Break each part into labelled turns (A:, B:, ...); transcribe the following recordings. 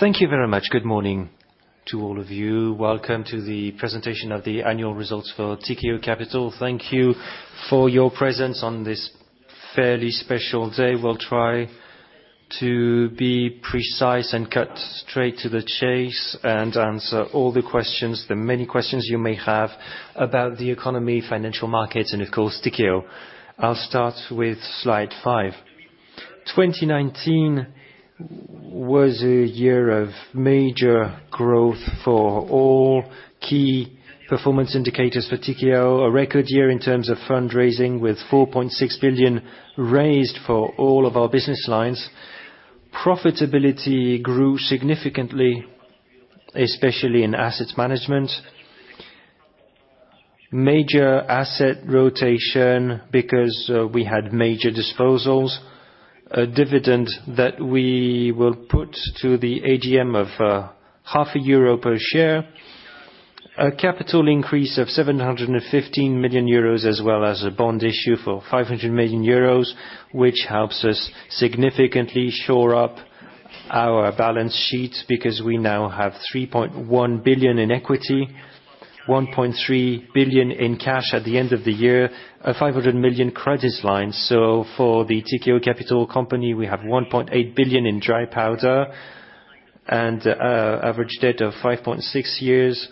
A: Thank you very much. Good morning to all of you. Welcome to the presentation of the annual results for Tikehau Capital. Thank you for your presence on this fairly special day. We'll try to be precise and cut straight to the chase, and answer all the questions, the many questions you may have about the economy, financial markets, and of course, Tikehau. I'll start with slide five. 2019 was a year of major growth for all key performance indicators for Tikehau. A record year in terms of fundraising, with 4.6 billion raised for all of our business lines. Profitability grew significantly, especially in asset management. Major asset rotation because we had major disposals. A dividend that we will put to the AGM of half a euro per share. A capital increase of 715 million euros, as well as a bond issue for 500 million euros, which helps us significantly shore up our balance sheet because we now have 3.1 billion in equity, 1.3 billion in cash at the end of the year, a 500 million credit line. For the Tikehau Capital company, we have 1.8 billion in dry powder and average debt of 5.6 years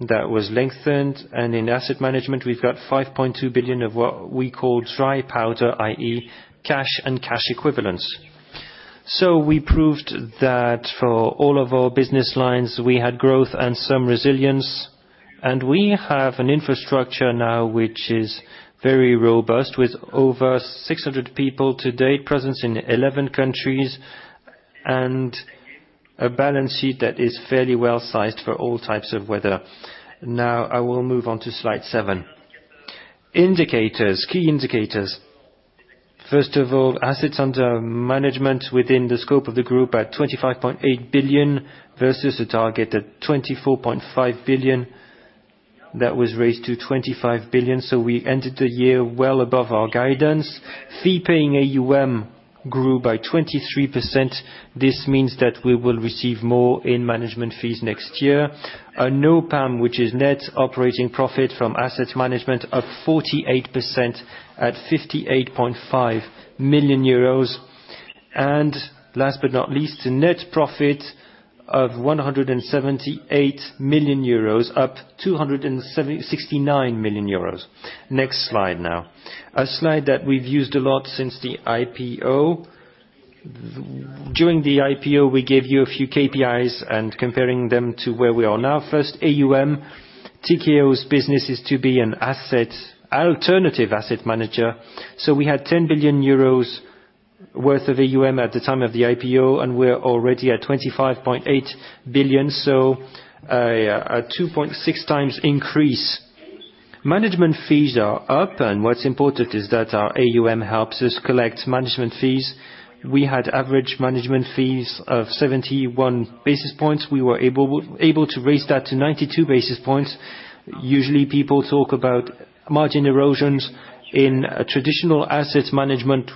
A: that was lengthened. In asset management, we've got 5.2 billion of what we call dry powder, i.e., cash and cash equivalents. We proved that for all of our business lines, we had growth and some resilience. We have an infrastructure now which is very robust, with over 600 people to date, presence in 11 countries, and a balance sheet that is fairly well-sized for all types of weather. I will move on to slide seven. Indicators, key indicators. First of all, assets under management within the scope of the group at 25.8 billion versus a target at 24.5 billion. That was raised to 25 billion, we ended the year well above our guidance. Fee-paying AUM grew by 23%. This means that we will receive more in management fees next year. Our NOPAM, which is Net Operating Profit from Asset Management, up 48% at 58.5 million euros. Last but not least, a net profit of 178 million euros, up 269 million euros. Next slide now. A slide that we've used a lot since the IPO. During the IPO, we gave you a few KPIs and comparing them to where we are now. First, AUM. Tikehau's business is to be an alternative asset manager. We had 10 billion euros worth of AUM at the time of the IPO, we're already at 25.8 billion, a 2.6x increase. Management fees are up. What's important is that our AUM helps us collect management fees. We had average management fees of 71 basis points. We were able to raise that to 92 basis points. Usually, people talk about margin erosions in traditional asset management.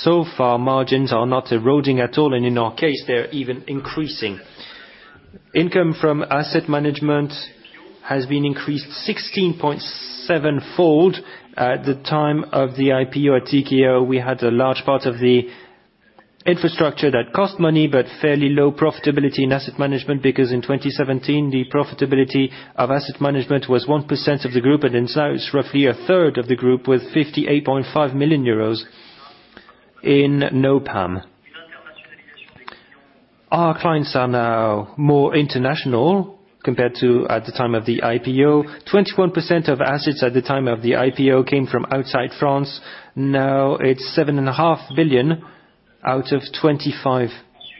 A: So far, margins are not eroding at all, and in our case, they're even increasing. Income from asset management has been increased 16.7 fold. At the time of the IPO at Tikehau, we had a large part of the infrastructure that cost money, but fairly low profitability in asset management, because in 2017, the profitability of asset management was 1% of the group, and now it's roughly a third of the group with 58.5 million euros in NOPAM. Our clients are now more international compared to at the time of the IPO. 21% of assets at the time of the IPO came from outside France. It's 7.5 billion out of 25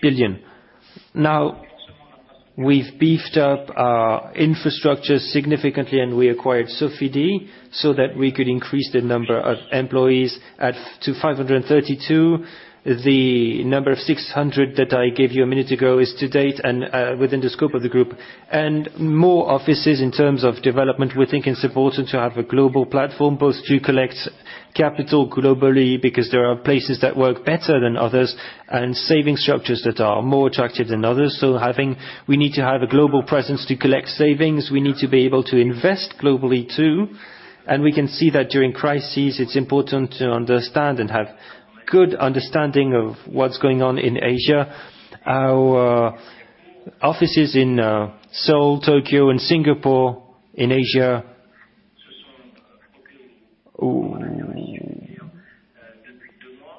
A: billion. We've beefed up our infrastructure significantly, and we acquired Sofidy so that we could increase the number of employees to 532. The number of 600 that I gave you a minute ago is to date and within the scope of the group. More offices in terms of development. We think it's important to have a global platform, both to collect capital globally, because there are places that work better than others, and saving structures that are more attractive than others. We need to have a global presence to collect savings. We need to be able to invest globally too, and we can see that during crises, it's important to understand and have good understanding of what's going on in Asia. Our offices in Seoul, Tokyo, and Singapore in Asia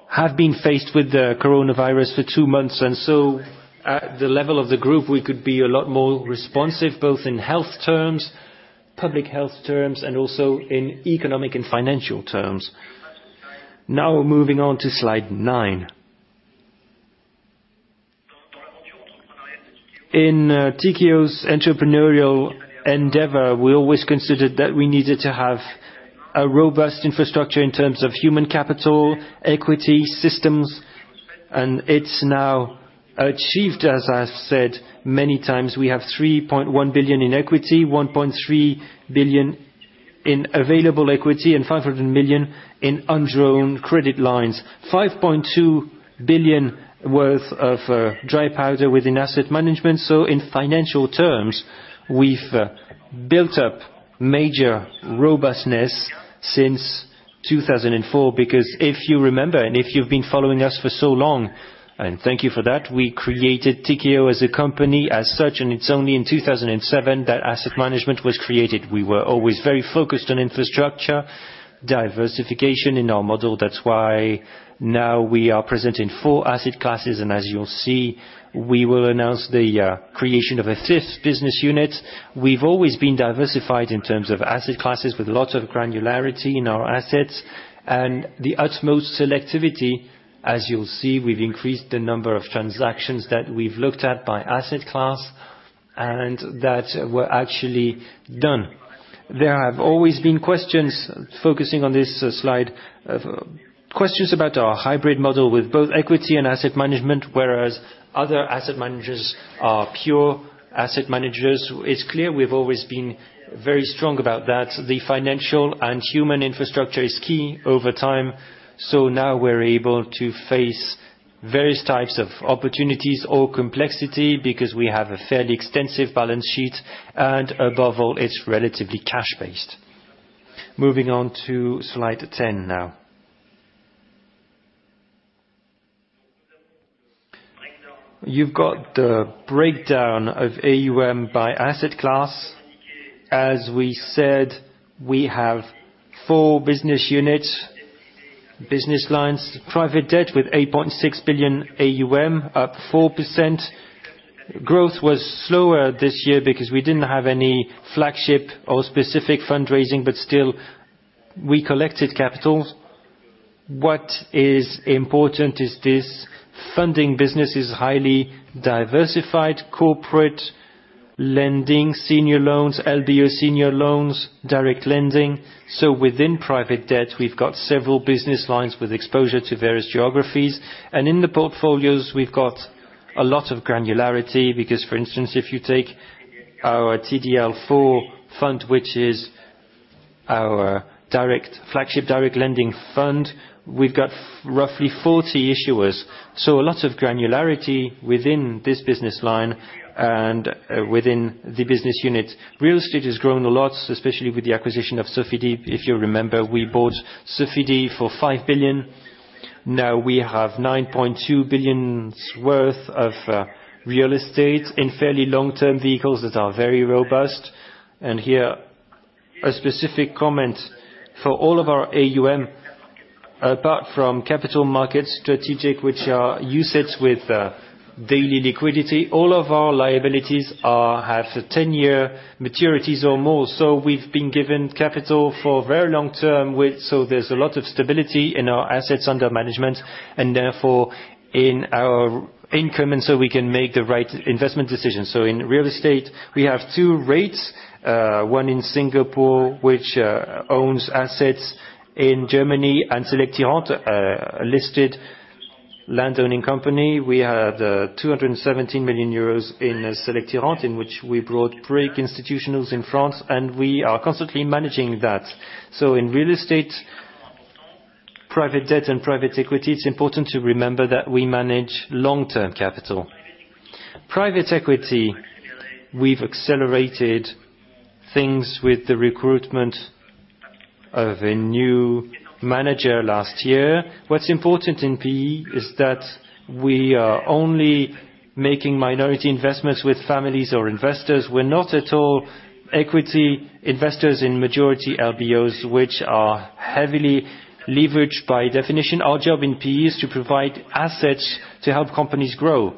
A: have been faced with the coronavirus for two months. At the level of the group, we could be a lot more responsive, both in health terms, public health terms, and also in economic and financial terms. Moving on to slide nine. In Tikehau's entrepreneurial endeavor, we always considered that we needed to have a robust infrastructure in terms of human capital, equity systems, and it's now achieved. As I said many times, we have 3.1 billion in equity, 1.3 billion in available equity and 500 million in undrawn credit lines. 5.2 billion worth of dry powder within asset management. In financial terms, we've built up major robustness since 2004 because if you remember, and if you've been following us for so long, and thank you for that, we created Tikehau as a company as such, and it's only in 2007 that asset management was created. We were always very focused on infrastructure, diversification in our model. That's why now we are present in four asset classes, and as you'll see, we will announce the creation of a fifth business unit. We've always been diversified in terms of asset classes with lots of granularity in our assets and the utmost selectivity. As you'll see, we've increased the number of transactions that we've looked at by asset class, and that were actually done. There have always been questions, focusing on this slide, questions about our hybrid model with both equity and asset management, whereas other asset managers are pure asset managers. It's clear we've always been very strong about that. The financial and human infrastructure is key over time. Now we're able to face various types of opportunities or complexity because we have a fairly extensive balance sheet, and above all, it's relatively cash-based. Moving on to slide 10 now. You've got the breakdown of AUM by asset class. As we said, we have four business units, business lines, private debt with 8.6 billion AUM, up 4%. Growth was slower this year because we didn't have any flagship or specific fundraising, but still we collected capital. What is important is this funding business is highly diversified, corporate lending, senior loans, LBO senior loans, direct lending. Within private debt, we've got several business lines with exposure to various geographies. In the portfolios, we've got a lot of granularity because, for instance, if you take our TDL IV fund, which is our flagship direct lending fund, we've got roughly 40 issuers. A lot of granularity within this business line and within the business unit. Real estate has grown a lot, especially with the acquisition of Sofidy. If you remember, we bought Sofidy for 5 billion. We have 9.2 billion worth of real estate in fairly long-term vehicles that are very robust. Here, a specific comment. For all of our AUM, apart from capital markets strategic, which are UCITS with daily liquidity, all of our liabilities have 10-year maturities or more. We've been given capital for very long-term, there's a lot of stability in our assets under management, and therefore, in our increments, we can make the right investment decisions. In real estate, we have two REITs, one in Singapore, which owns assets in Germany, and Selectirente, a listed landowning company. We had 217 million euros in Selectirente, in which we brought three institutionals in France, we are constantly managing that. In real estate, private debt, and private equity, it's important to remember that we manage long-term capital. Private equity, we've accelerated things with the recruitment of a new manager last year. What's important in PE is that we are only making minority investments with families or investors. We're not at all equity investors in majority LBOs, which are heavily leveraged by definition. Our job in PE is to provide assets to help companies grow.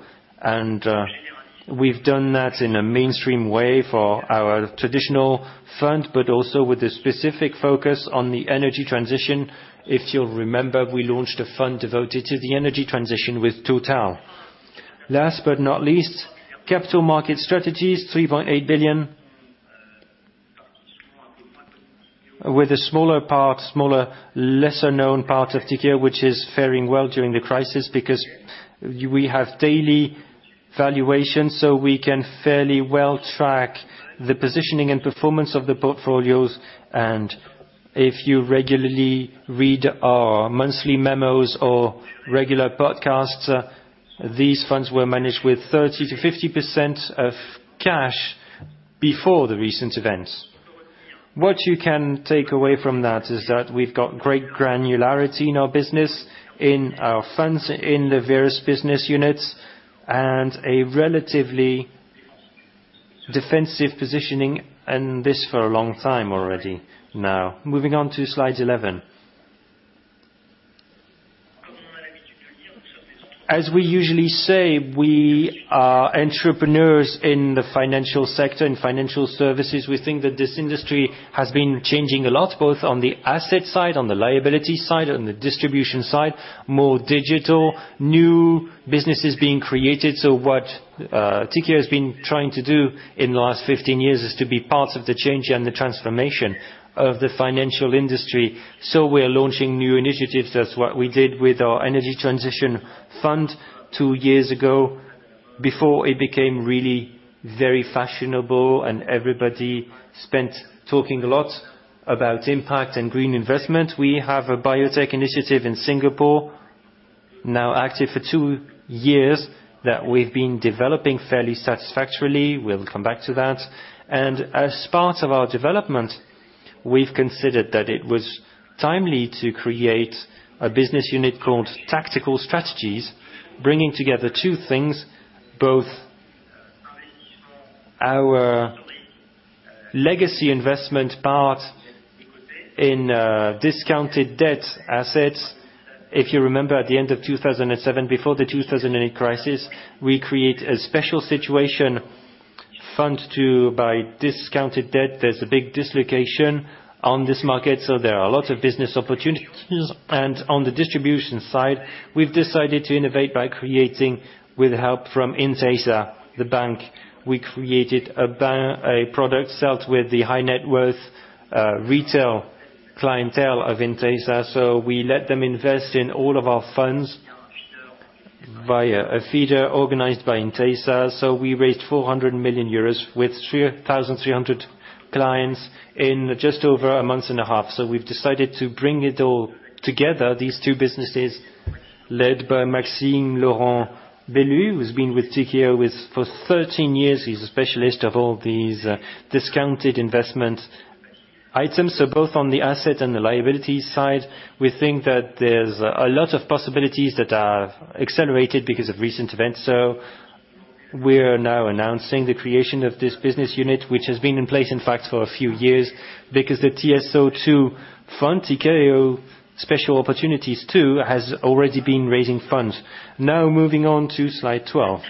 A: We've done that in a mainstream way for our traditional fund, but also with a specific focus on the energy transition. If you'll remember, we launched a fund devoted to the energy transition with Total. Last but not least, Capital Market Strategies, EUR 3.8 billion, with a smaller part, smaller, lesser-known part of Tikehau, which is faring well during the crisis because we have daily valuations, so we can fairly well track the positioning and performance of the portfolios. If you regularly read our monthly memos or regular podcasts, these funds were managed with 30%-50% of cash before the recent events. What you can take away from that is that we've got great granularity in our business, in our funds, in the various business units, and a relatively defensive positioning, and this for a long time already now. Moving on to slide 11. As we usually say, we are entrepreneurs in the financial sector, in financial services. We think that this industry has been changing a lot, both on the asset side, on the liability side, on the distribution side, more digital, new businesses being created. What Tikehau has been trying to do in the last 15 years is to be part of the change and the transformation of the financial industry. We are launching new initiatives. That's what we did with our Energy Transition Fund two years ago. Before it became really very fashionable and everybody spent talking a lot about impact and green investment, we have a biotech initiative in Singapore now active for two years that we've been developing fairly satisfactorily. We'll come back to that. As part of our development, we've considered that it was timely to create a business unit called Tactical Strategies, bringing together two things, both our legacy investment part in discounted debt assets. If you remember at the end of 2007, before the 2008 crisis, we create a special situation fund to buy discounted debt. There's a big dislocation on this market, so there are a lot of business opportunities. On the distribution side, we've decided to innovate by creating with help from Intesa, the bank. We created a product sold with the high net worth retail clientele of Intesa. We let them invest in all of our funds via a feeder organized by Intesa. We raised 400 million euros with 3,300 clients in just over a month and a half. We've decided to bring it all together, these two businesses led by Maxime Laurent-Bellue, who's been with Tikehau for 13 years. He's a specialist of all these discounted investment items. Both on the asset and the liability side, we think that there's a lot of possibilities that are accelerated because of recent events. We are announcing the creation of this business unit, which has been in place in fact for a few years because the TSO II fund, Tikehau Special Opportunities II, has already been raising funds. Moving on to slide 12.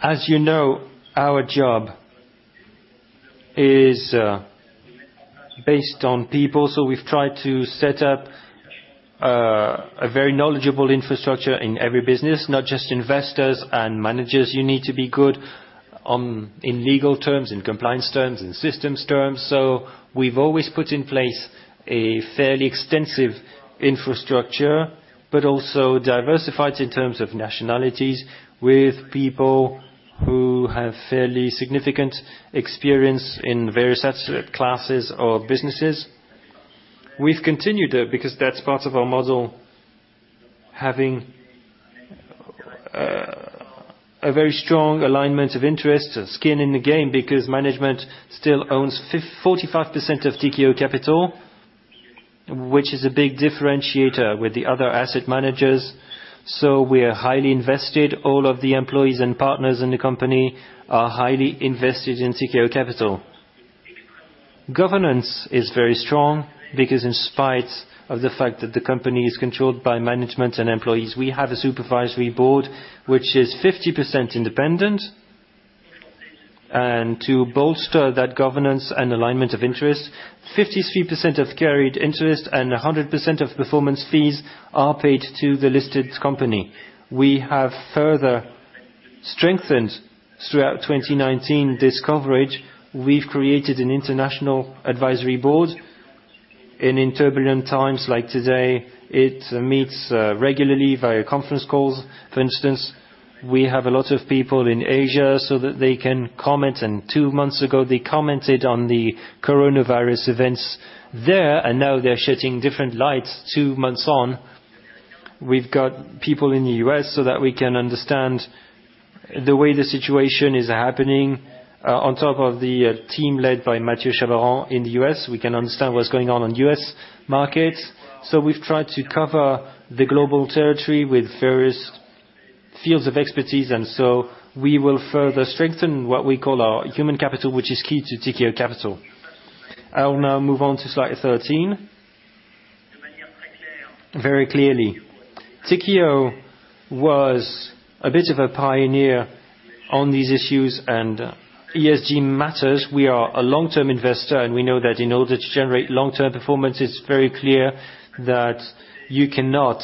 A: As you know, our job is based on people. We've tried to set up a very knowledgeable infrastructure in every business, not just investors and managers. You need to be good in legal terms, in compliance terms, in systems terms. We've always put in place a fairly extensive infrastructure, but also diversified in terms of nationalities with people who have fairly significant experience in various asset classes or businesses. We've continued it because that's part of our model, having a very strong alignment of interests and skin in the game because management still owns 45% of Tikehau Capital, which is a big differentiator with the other asset managers. We are highly invested. All of the employees and partners in the company are highly invested in Tikehau Capital. Governance is very strong because in spite of the fact that the company is controlled by management and employees, we have a supervisory board which is 50% independent. To bolster that governance and alignment of interest, 53% of carried interest and 100% of performance fees are paid to the listed company. We have further strengthened throughout 2019 this coverage. We've created an international advisory board, in turbulent times like today, it meets regularly via conference calls. For instance, we have a lot of people in Asia so that they can comment, two months ago, they commented on the coronavirus events there, and now they're shedding different lights two months on. We've got people in the U.S. so that we can understand the way the situation is happening. On top of the team led by Mathieu Chabran in the U.S., we can understand what's going on in U.S. markets. We've tried to cover the global territory with various fields of expertise. We will further strengthen what we call our human capital, which is key to Tikehau Capital. I will now move on to slide 13. Very clearly, Tikehau was a bit of a pioneer on these issues and ESG matters. We are a long-term investor, and we know that in order to generate long-term performance, it's very clear that you cannot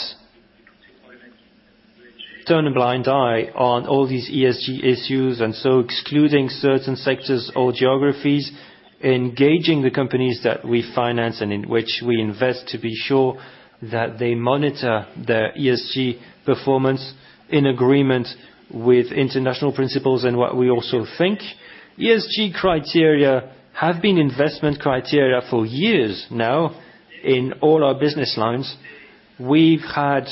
A: turn a blind eye on all these ESG issues. Excluding certain sectors or geographies, engaging the companies that we finance and in which we invest to be sure that they monitor their ESG performance in agreement with international principles and what we also think. ESG criteria have been investment criteria for years now in all our business lines. We've had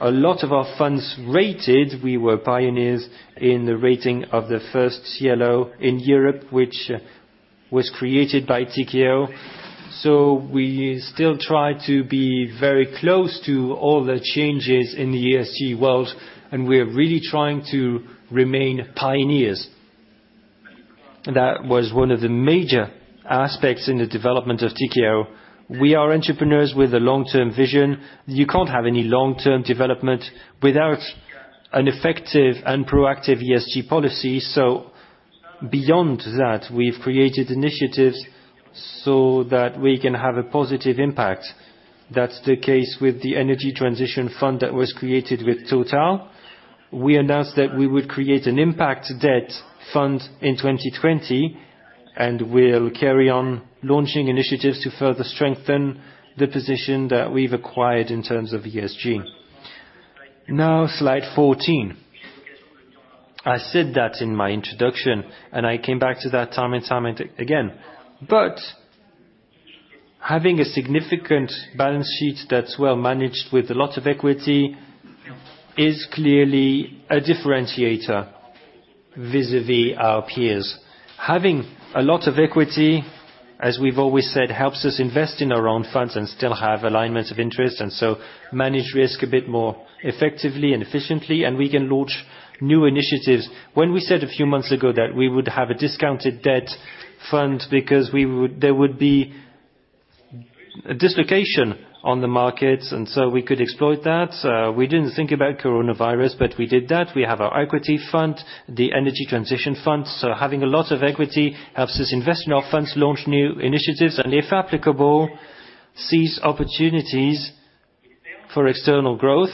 A: a lot of our funds rated. We were pioneers in the rating of the first CLO in Europe, which was created by Tikehau. We still try to be very close to all the changes in the ESG world, and we are really trying to remain pioneers. That was one of the major aspects in the development of Tikehau. We are entrepreneurs with a long-term vision. You can't have any long-term development without an effective and proactive ESG policy. Beyond that, we've created initiatives so that we can have a positive impact. That's the case with the Energy Transition Fund that was created with Total. We announced that we would create an impact debt fund in 2020, and we'll carry on launching initiatives to further strengthen the position that we've acquired in terms of ESG. Slide 14. I said that in my introduction, and I came back to that time and time again. Having a significant balance sheet that's well managed with a lot of equity is clearly a differentiator vis-à-vis our peers. Having a lot of equity, as we've always said, helps us invest in our own funds and still have alignment of interest, and so manage risk a bit more effectively and efficiently, and we can launch new initiatives. When we said a few months ago that we would have a discounted debt fund because there would be a dislocation on the markets, and so we could exploit that. We didn't think about coronavirus, we did that. We have our equity fund, the Energy Transition Fund. Having a lot of equity helps us invest in our funds, launch new initiatives, and, if applicable, seize opportunities for external growth.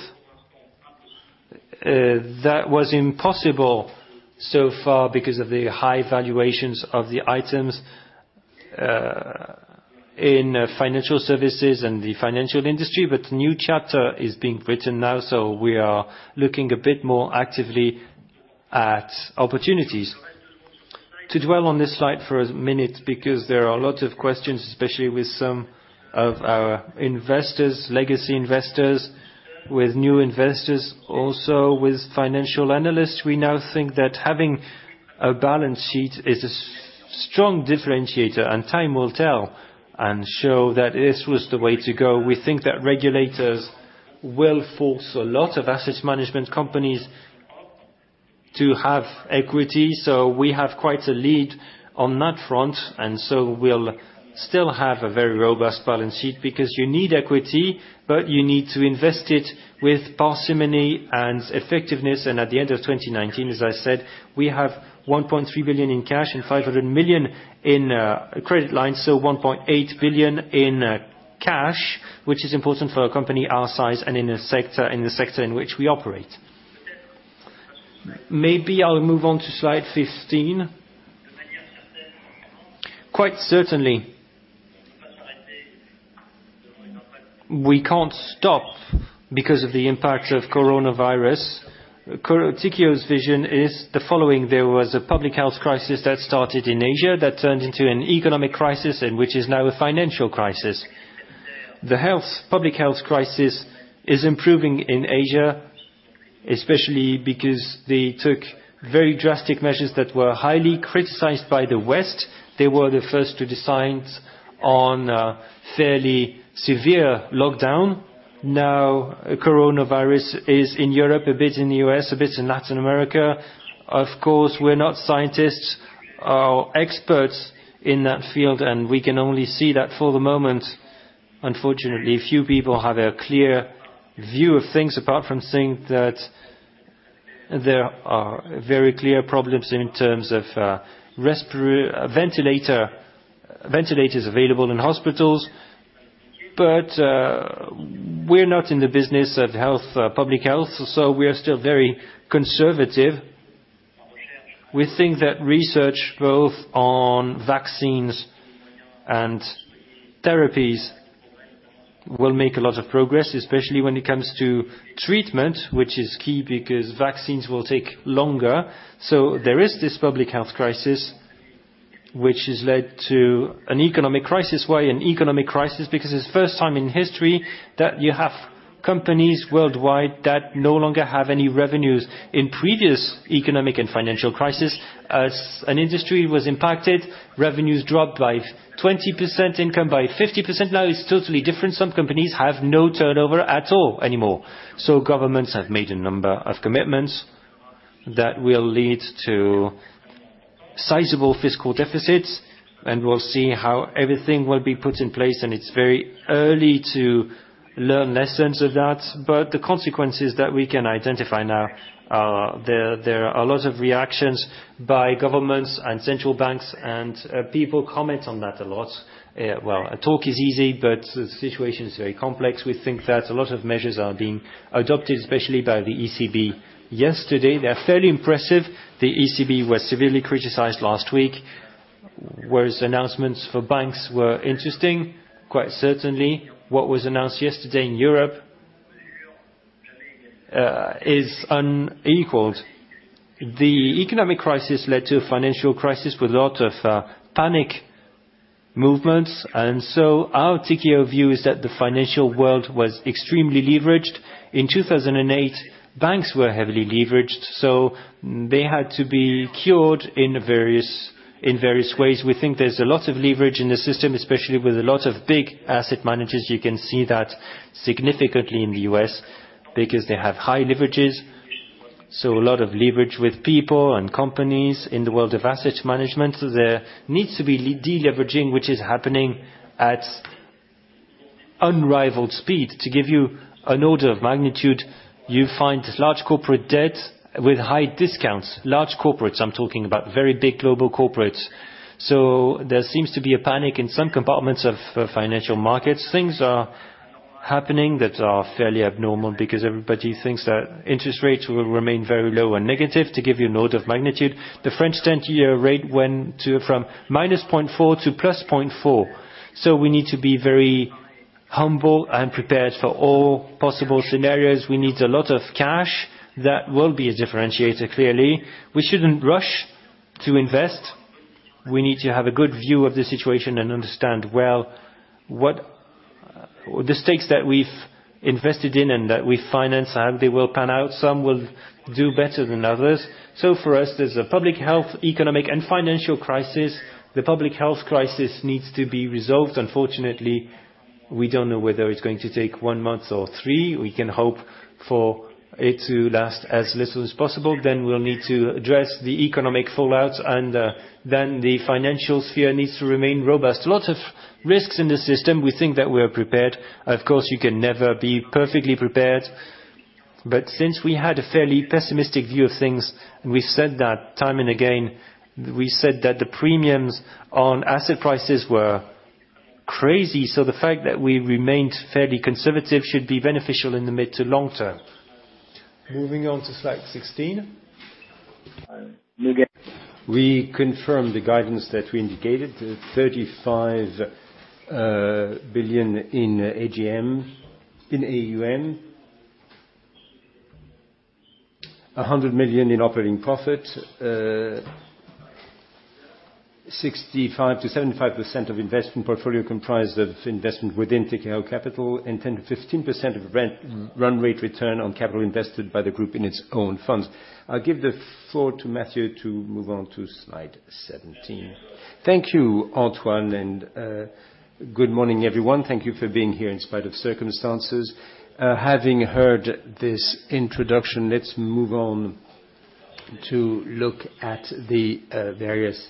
A: That was impossible so far because of the high valuations of the items in financial services and the financial industry. A new chapter is being written now, so we are looking a bit more actively at opportunities. To dwell on this slide for a minute, because there are a lot of questions, especially with some of our legacy investors, with new investors, also with financial analysts. We now think that having a balance sheet is a strong differentiator, and time will tell and show that this was the way to go. We think that regulators will force a lot of asset management companies to have equity. We have quite a lead on that front, we'll still have a very robust balance sheet, because you need equity, but you need to invest it with parsimony and effectiveness. At the end of 2019, as I said, we have 1.3 billion in cash and 500 million in credit lines, so 1.8 billion in cash, which is important for a company our size and in the sector in which we operate. Maybe I'll move on to slide 15. Quite certainly, we can't stop because of the impact of coronavirus. Tikehau's vision is the following. There was a public health crisis that started in Asia that turned into an economic crisis and which is now a financial crisis. The public health crisis is improving in Asia, especially because they took very drastic measures that were highly criticized by the West. They were the first to decide on a fairly severe lockdown. Coronavirus is in Europe, a bit in the U.S., a bit in Latin America. We're not scientists or experts in that field, we can only see that for the moment. Unfortunately, few people have a clear view of things, apart from saying that there are very clear problems in terms of ventilators available in hospitals. We're not in the business of public health, we are still very conservative. We think that research, both on vaccines and therapies, will make a lot of progress, especially when it comes to treatment, which is key because vaccines will take longer. There is this public health crisis, which has led to an economic crisis. Why an economic crisis? It's the first time in history that you have companies worldwide that no longer have any revenues. In previous economic and financial crisis, as an industry was impacted, revenues dropped by 20%, income by 50%. It's totally different. Some companies have no turnover at all anymore. Governments have made a number of commitments that will lead to sizable fiscal deficits, and we'll see how everything will be put in place. It's very early to learn lessons of that. The consequences that we can identify now are there are a lot of reactions by governments and central banks, and people comment on that a lot. Talk is easy, but the situation is very complex. We think that a lot of measures are being adopted, especially by the ECB yesterday. They are fairly impressive. The ECB was severely criticized last week, whereas announcements for banks were interesting, quite certainly. What was announced yesterday in Europe is unequaled. The economic crisis led to a financial crisis with a lot of panic movements. Our Tikehau view is that the financial world was extremely leveraged. In 2008, banks were heavily leveraged, so they had to be cured in various ways. We think there is a lot of leverage in the system, especially with a lot of big asset managers. You can see that significantly in the U.S. because they have high leverages. A lot of leverage with people and companies in the world of asset management. There needs to be de-leveraging, which is happening at unrivaled speed. To give you an order of magnitude, you find large corporate debt with high discounts. Large corporates, I am talking about very big global corporates. There seems to be a panic in some compartments of financial markets. Things are happening that are fairly abnormal, because everybody thinks that interest rates will remain very low and negative. To give you an order of magnitude, the French 10-year rate went from -0.4 to +0.4. We need to be very humble and prepared for all possible scenarios. We need a lot of cash. That will be a differentiator, clearly. We shouldn't rush to invest. We need to have a good view of the situation and understand well what the stakes that we've invested in and that we finance, how they will pan out. Some will do better than others. For us, there's a public health, economic, and financial crisis. The public health crisis needs to be resolved. Unfortunately, we don't know whether it's going to take one month or three. We can hope for it to last as little as possible. We'll need to address the economic fallout, and then the financial sphere needs to remain robust. A lot of risks in the system. We think that we're prepared. Of course, you can never be perfectly prepared. Since we had a fairly pessimistic view of things, and we've said that time and again, we said that the premiums on asset prices were crazy. The fact that we remained fairly conservative should be beneficial in the mid- to long-term. Moving on to slide 16. We confirm the guidance that we indicated, the 35 billion in AUM, 100 million in operating profit, 65%-75% of investment portfolio comprised of investment within Tikehau Capital, and 10%-15% of run rate return on capital invested by the group in its own funds. I'll give the floor to Mathieu to move on to slide 17.
B: Thank you, Antoine, good morning, everyone. Thank you for being here in spite of circumstances. Having heard this introduction, let's move on to look at the various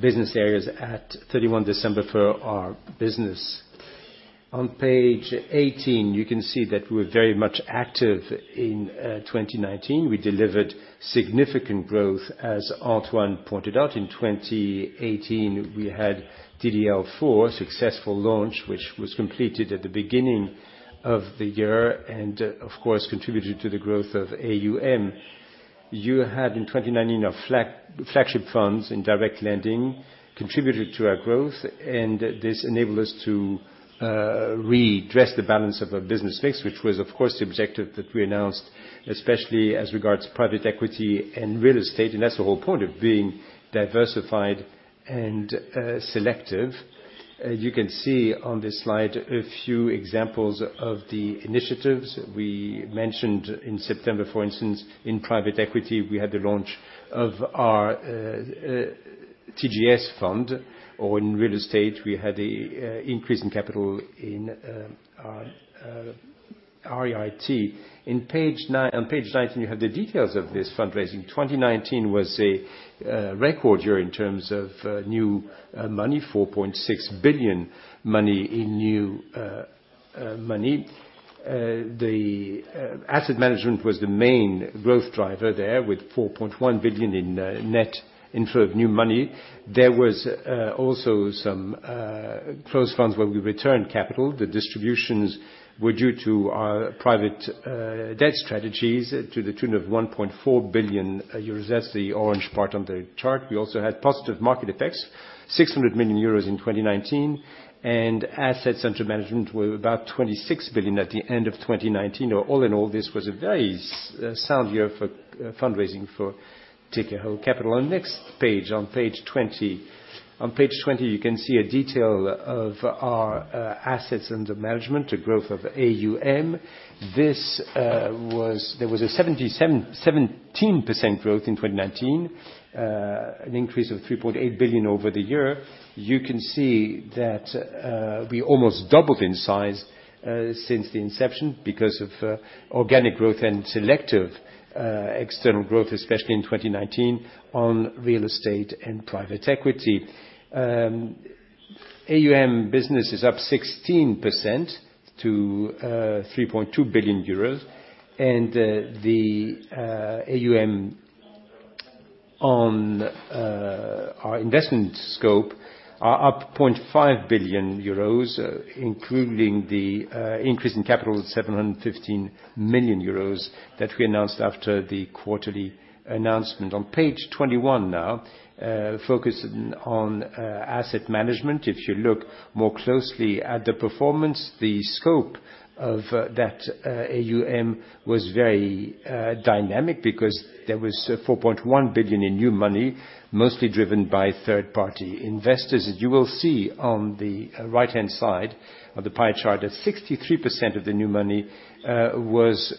B: business areas at 31 December for our business. On page 18, you can see that we're very much active in 2019. We delivered significant growth, as Antoine pointed out. In 2018, we had TDL IV successful launch, which was completed at the beginning of the year and, of course, contributed to the growth of AUM. You had in 2019, our flagship funds in direct lending contributed to our growth, and this enabled us to readdress the balance of our business mix, which was, of course, the objective that we announced, especially as regards to private equity and real estate, and that's the whole point of being diversified and selective. You can see on this slide a few examples of the initiatives we mentioned in September. For instance, in private equity, we had the launch of our TGS Fund. In real estate, we had the increase in capital in our REIT. On page 19, you have the details of this fundraising. 2019 was a record year in terms of new money, 4.6 billion money in new money. The asset management was the main growth driver there, with 4.1 billion in net inflow of new money. There was also some closed funds where we returned capital. The distributions were due to our private debt strategies to the tune of 1.4 billion euros. That's the orange part on the chart. We also had positive market effects, 600 million euros in 2019, and assets under management were about 26 billion at the end of 2019. All in all, this was a very sound year for fundraising for Tikehau Capital. Next page, on page 20. Page 20, you can see a detail of our assets under management, a growth of AUM. There was a 17% growth in 2019, an increase of 3.8 billion over the year. You can see that we almost doubled in size since the inception because of organic growth and selective external growth, especially in 2019, on real estate and private equity. AUM business is up 16% to 3.2 billion euros, and the AUM on our investment scope are up 0.5 billion euros, including the increase in capital of 715 million euros that we announced after the quarterly announcement. Page 21 now, focusing on asset management. If you look more closely at the performance, the scope of that AUM was very dynamic because there was 4.1 billion in new money, mostly driven by third-party investors. You will see on the right-hand side of the pie chart, that 63% of the new money was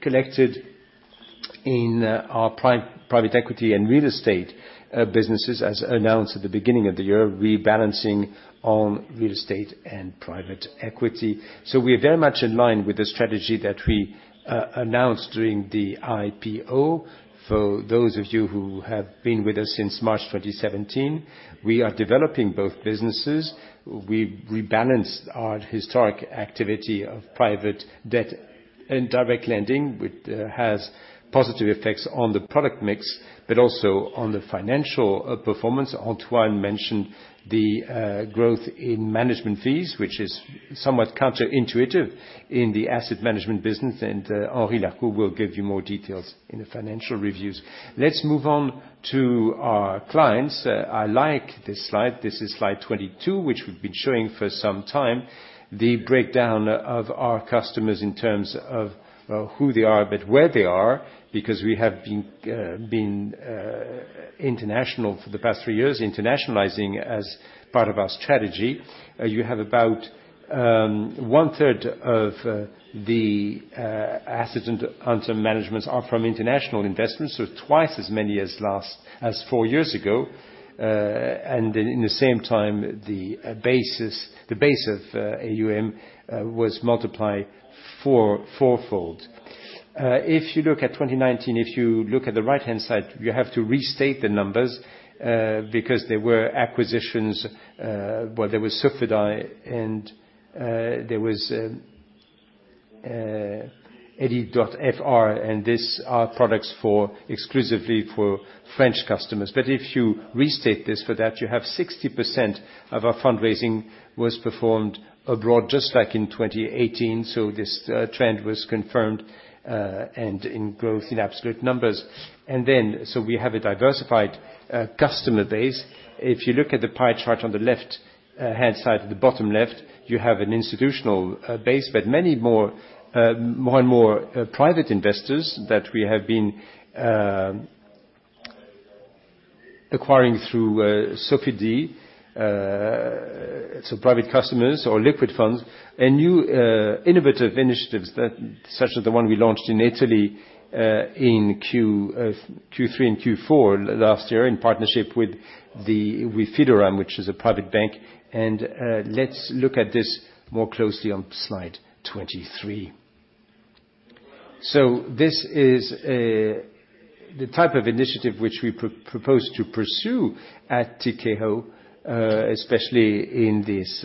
B: collected in our private equity and real estate businesses, as announced at the beginning of the year, rebalancing on real estate and private equity. We are very much in line with the strategy that we announced during the IPO, for those of you who have been with us since March 2017. We are developing both businesses. We rebalanced our historic activity of private debt and direct lending, which has positive effects on the product mix, but also on the financial performance. Antoine mentioned the growth in management fees, which is somewhat counterintuitive in the asset management business. Henri Lacour will give you more details in the financial reviews. Let's move on to our clients. I like this slide. This is slide 22, which we've been showing for some time, the breakdown of our customers in terms of who they are, but where they are, because we have been international for the past three years, internationalizing as part of our strategy. You have about one-third of the assets under management are from international investments, so twice as many as four years ago. In the same time, the base of AUM was multiplied four-fold. If you look at 2019, if you look at the right-hand side, you have to restate the numbers, because there were acquisitions, well, there was Sofidy and there was Credit.fr, and these are products exclusively for French customers. If you restate this for that, you have 60% of our fundraising was performed abroad, just like in 2018. This trend was confirmed and in growth in absolute numbers. We have a diversified customer base. If you look at the pie chart on the left-hand side, the bottom left, you have an institutional base, but many more private investors that we have been acquiring through Sofidy, so private customers or liquid funds, and new innovative initiatives such as the one we launched in Italy in Q3 and Q4 last year in partnership with Fideuram, which is a private bank. Let's look at this more closely on slide 23. This is the type of initiative which we propose to pursue at Tikehau, especially in this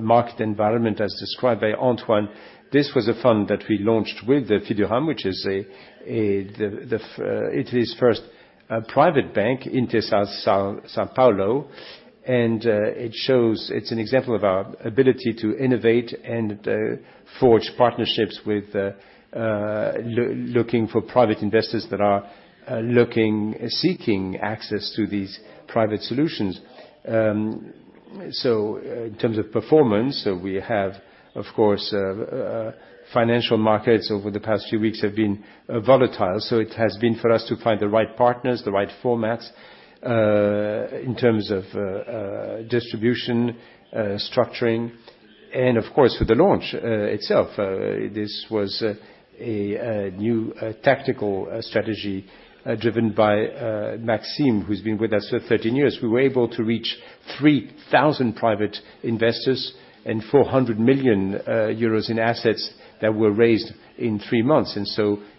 B: market environment as described by Antoine. This was a fund that we launched with the Fideuram, which is Italy's first private bank, Intesa Sanpaolo. It's an example of our ability to innovate and forge partnerships with looking for private investors that are seeking access to these private solutions. In terms of performance, we have, of course, financial markets over the past few weeks have been volatile. It has been for us to find the right partners, the right formats, in terms of distribution, structuring, and of course, for the launch itself. This was a new tactical strategy driven by Maxime, who's been with us for 13 years. We were able to reach 3,000 private investors and 400 million euros in assets that were raised in three months.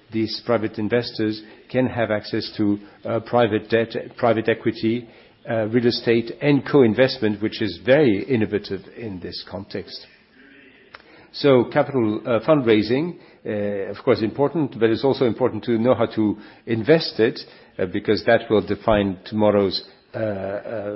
B: These private investors can have access to private debt, private equity, real estate, and co-investment, which is very innovative in this context. Capital fundraising, of course, important, but it's also important to know how to invest it, because that will define tomorrow's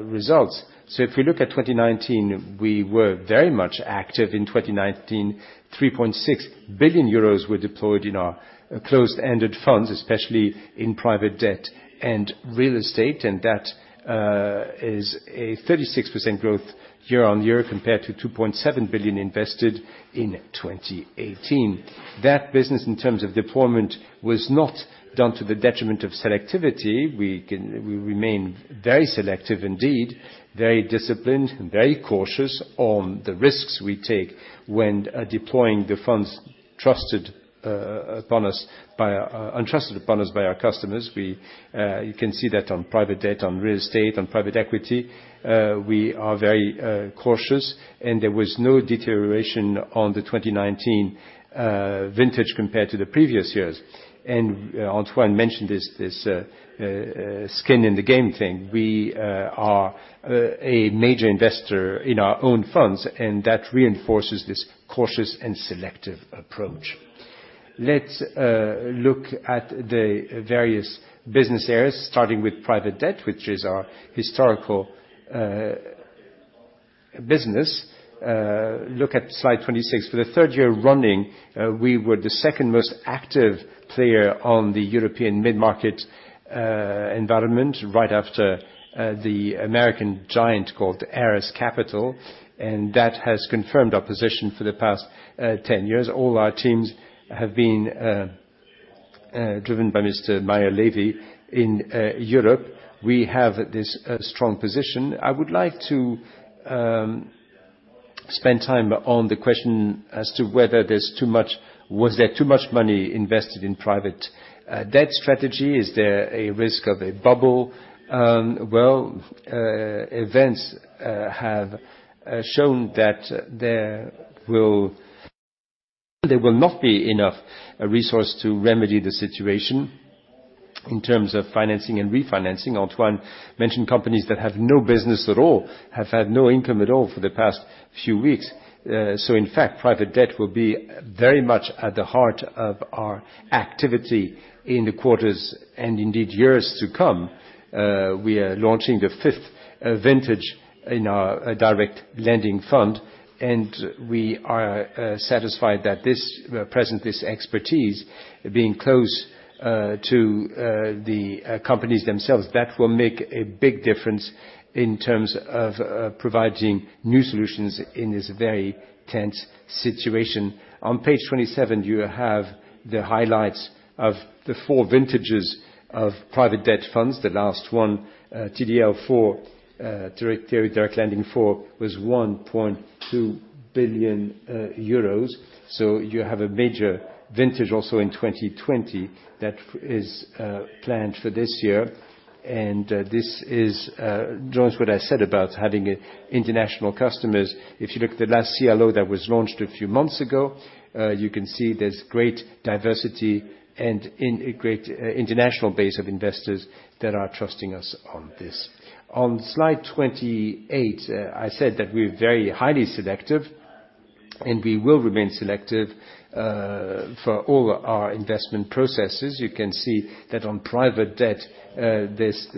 B: results. If we look at 2019, we were very much active in 2019, 3.6 billion euros were deployed in our closed-ended funds, especially in private debt and real estate, and that is a 36% growth year-on-year compared to 2.7 billion invested in 2018. That business in terms of deployment was not done to the detriment of selectivity. We remain very selective indeed, very disciplined, very cautious on the risks we take when deploying the funds entrusted upon us by our customers. You can see that on private debt, on real estate, on private equity. We are very cautious. There was no deterioration on the 2019 vintage compared to the previous years. Antoine mentioned this skin in the game thing. We are a major investor in our own funds, and that reinforces this cautious and selective approach. Let's look at the various business areas, starting with private debt, which is our historical business. Look at slide 26. For the third year running, we were the second-most active player on the European mid-market environment right after the American giant called Ares Capital. That has confirmed our position for the past 10 years. All our teams have been driven by Mr. Mayer-Lévi in Europe. We have this strong position. I would like to spend time on the question as to whether was there too much money invested in private debt strategy? Is there a risk of a bubble? Well, events have shown that there will not be enough resource to remedy the situation in terms of financing and refinancing. Antoine mentioned companies that have no business at all, have had no income at all for the past few weeks. In fact, private debt will be very much at the heart of our activity in the quarters and indeed years to come. We are launching the fifth vintage in our direct lending fund, and we are satisfied that present this expertise, being close to the companies themselves. That will make a big difference in terms of providing new solutions in this very tense situation. On page 27, you have the highlights of the four vintages of private debt funds. The last one, TDL IV, Tikehau Direct Lending IV, was 1.2 billion euros. You have a major vintage also in 2020 that is planned for this year. This joins what I said about having international customers. If you look at the last CLO that was launched a few months ago, you can see there's great diversity and a great international base of investors that are trusting us on this. On slide 28, I said that we're very highly selective, and we will remain selective for all our investment processes. You can see that on private debt, this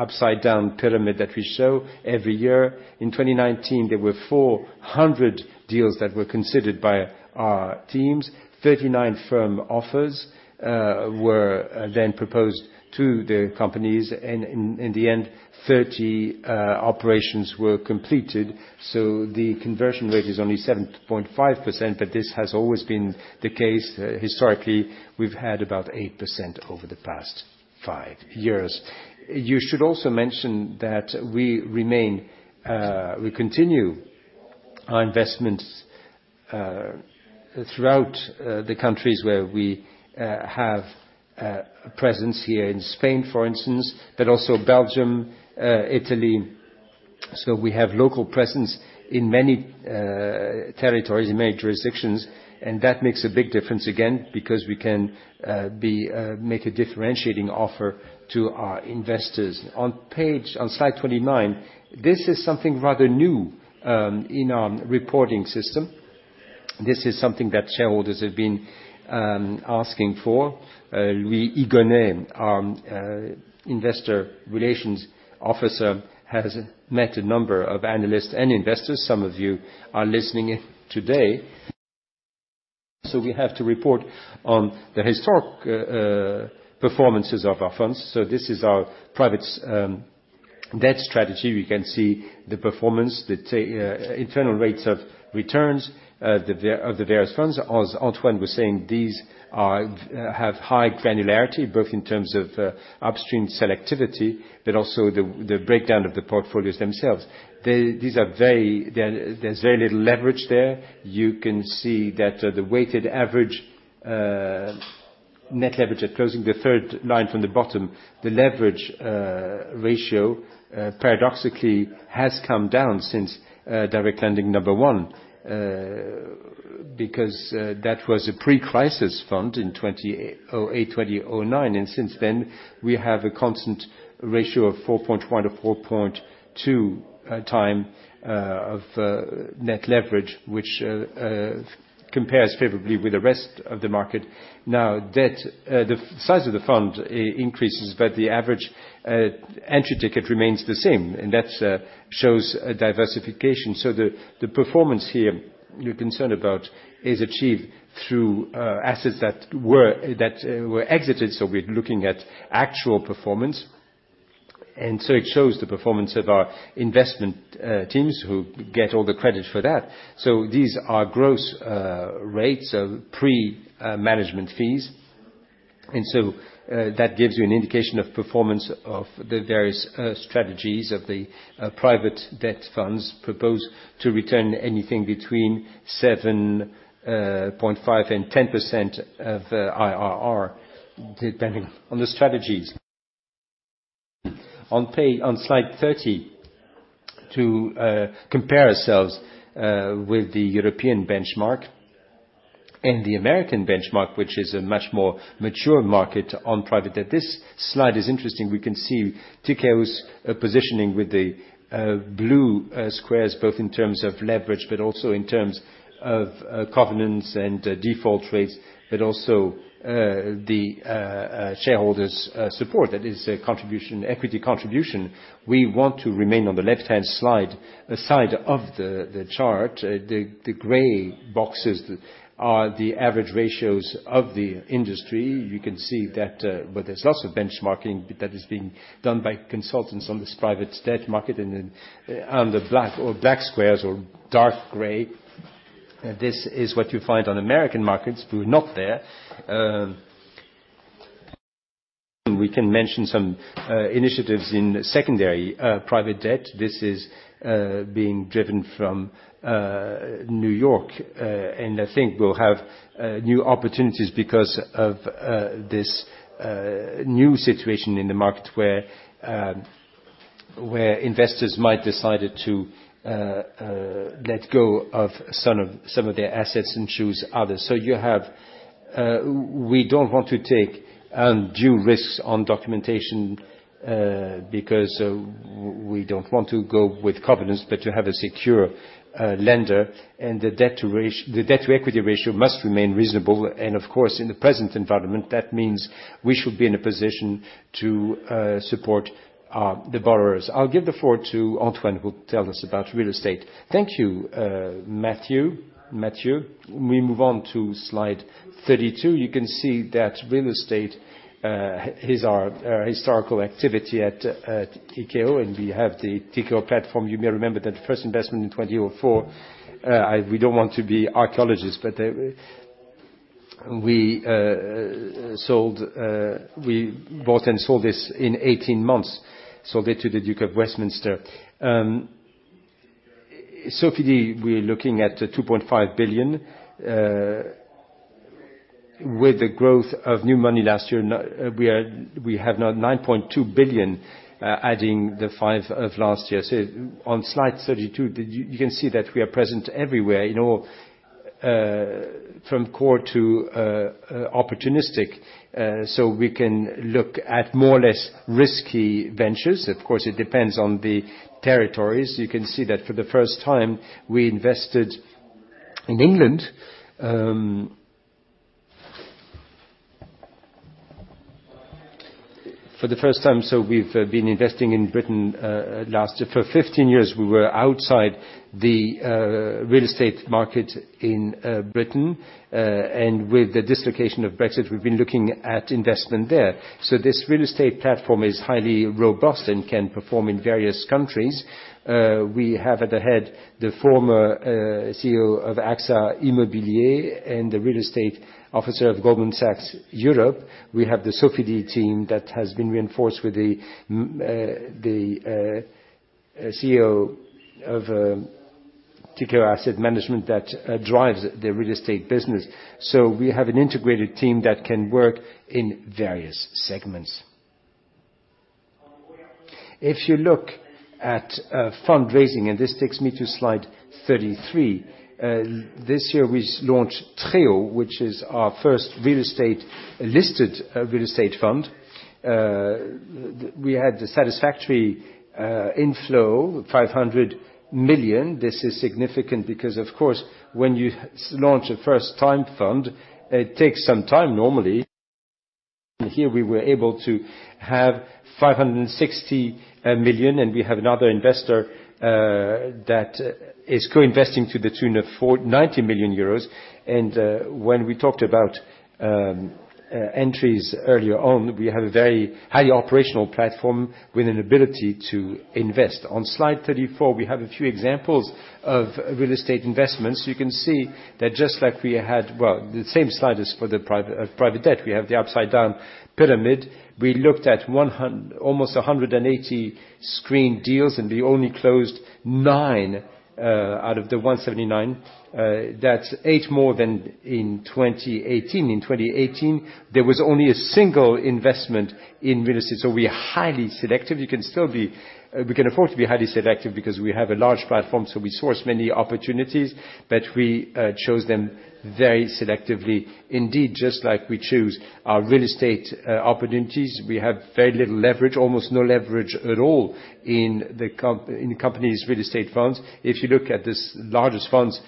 B: upside-down pyramid that we show every year. In 2019, there were 400 deals that were considered by our teams. 39 firm offers were then proposed to the companies. In the end, 30 operations were completed. The conversion rate is only 7.5%, but this has always been the case. Historically, we've had about 8% over the past five years. You should also mention that we continue our investments throughout the countries where we have a presence here in Spain, for instance, but also Belgium, Italy. We have local presence in many territories, in many jurisdictions, and that makes a big difference, again, because we can make a differentiating offer to our investors. On slide 29, this is something rather new in our reporting system. This is something that shareholders have been asking for. Louis Igonet, our investor relations officer, has met a number of analysts and investors. Some of you are listening today. We have to report on the historic performances of our funds. This is our private debt strategy. We can see the performance, the internal rates of returns of the various funds. As Antoine was saying, these have high granularity, both in terms of upstream selectivity, but also the breakdown of the portfolios themselves. There's very little leverage there. You can see that the weighted average net leverage at closing, the third line from the bottom, the leverage ratio paradoxically has come down since Direct Lending number one because that was a pre-crisis fund in 2008-2009. Since then, we have a constant ratio of 4.1x-4.2x of net leverage, which compares favorably with the rest of the market. The size of the fund increases, but the average entry ticket remains the same, and that shows diversification. The performance here you're concerned about is achieved through assets that were exited. We're looking at actual performance. It shows the performance of our investment teams who get all the credit for that. These are gross rates of pre-management fees. That gives you an indication of performance of the various strategies of the private debt funds proposed to return anything between 7.5% and 10% of IRR, depending on the strategies. On slide 30, to compare ourselves with the European benchmark and the American benchmark, which is a much more mature market on private debt. This slide is interesting. We can see Tikehau's positioning with the blue squares, both in terms of leverage, but also in terms of covenants and default rates, but also the shareholders' support. That is equity contribution. We want to remain on the left-hand side of the chart. The gray boxes are the average ratios of the industry. You can see that there's lots of benchmarking that is being done by consultants on this private debt market, and on the black squares or dark gray, this is what you find on American markets. We're not there. We can mention some initiatives in secondary private debt. This is being driven from New York. I think we'll have new opportunities because of this new situation in the market where investors might decide to let go of some of their assets and choose others. We don't want to take undue risks on documentation, because we don't want to go with covenants, but to have a secure lender and the debt to equity ratio must remain reasonable. Of course, in the present environment, that means we should be in a position to support the borrowers. I'll give the floor to Antoine, who tell us about real estate.
A: Thank you, Mathieu. We move on to slide 32. You can see that real estate is our historical activity at Tikehau, and we have the Tikehau platform. You may remember that the first investment in 2004, we don't want to be archeologists, but we bought and sold this in 18 months. Sold it to the Duke of Westminster. Sofidy, we're looking at 2.5 billion with the growth of new money last year. We have now 9.2 billion, adding the five of last year. On slide 32, you can see that we are present everywhere. From core to opportunistic, so we can look at more or less risky ventures. Of course, it depends on the territories. You can see that for the first time, we invested in England. For the first time, so we've been investing in Britain, for 15 years, we were outside the real estate market in Britain. With the dislocation of Brexit, we've been looking at investment there. This real estate platform is highly robust and can perform in various countries. We have at the head the former CEO of AXA Immobilier and the real estate officer of Goldman Sachs Europe. We have the Sofidy team that has been reinforced with the CEO of Tikehau Investment Management that drives the real estate business. We have an integrated team that can work in various segments. If you look at fundraising, and this takes me to slide 33, this year we launched TREO, which is our first listed real estate fund. We had a satisfactory inflow, 500 million. This is significant because, of course, when you launch a first-time fund, it takes some time normally. Here we were able to have 560 million, and we have another investor that is co-investing to the tune of 90 million euros. When we talked about entries earlier on, we have a very highly operational platform with an ability to invest. On Slide 34, we have a few examples of real estate investments. You can see that just like we had, well, the same slide as for the private debt. We have the upside-down pyramid. We looked at almost 180 screened deals. We only closed nine out of the 179. That's eight more than in 2018. In 2018, there was only a single investment in real estate. We are highly selective. We can afford to be highly selective because we have a large platform, we source many opportunities, but we chose them very selectively. Indeed, just like we choose our real estate opportunities, we have very little leverage, almost no leverage at all in the company's real estate funds. If you look at this, largest funds,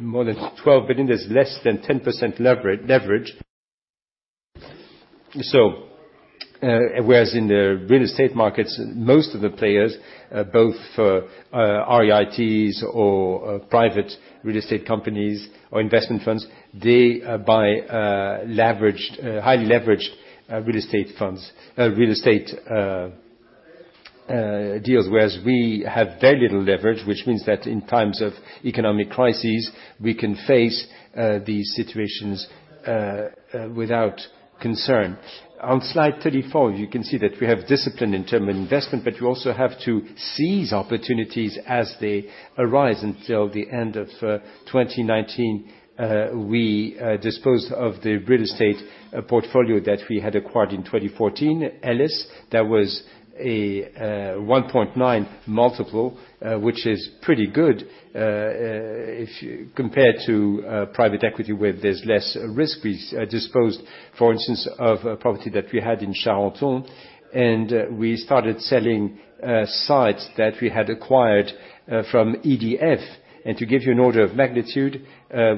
A: more than 12 billion, there's less than 10% leverage. Whereas in the real estate markets, most of the players, both REITs or private real estate companies or investment funds, they buy highly leveraged real estate deals, whereas we have very little leverage, which means that in times of economic crises, we can face these situations without concern. On slide 34, you can see that we have discipline in term of investment, but you also have to seize opportunities as they arise. Until the end of 2019, we disposed of the real estate portfolio that we had acquired in 2014, Elis. That was a 1.9 multiple, which is pretty good compared to private equity where there's less risk. We disposed, for instance, of a property that we had in Charenton. We started selling sites that we had acquired from EDF. To give you an order of magnitude,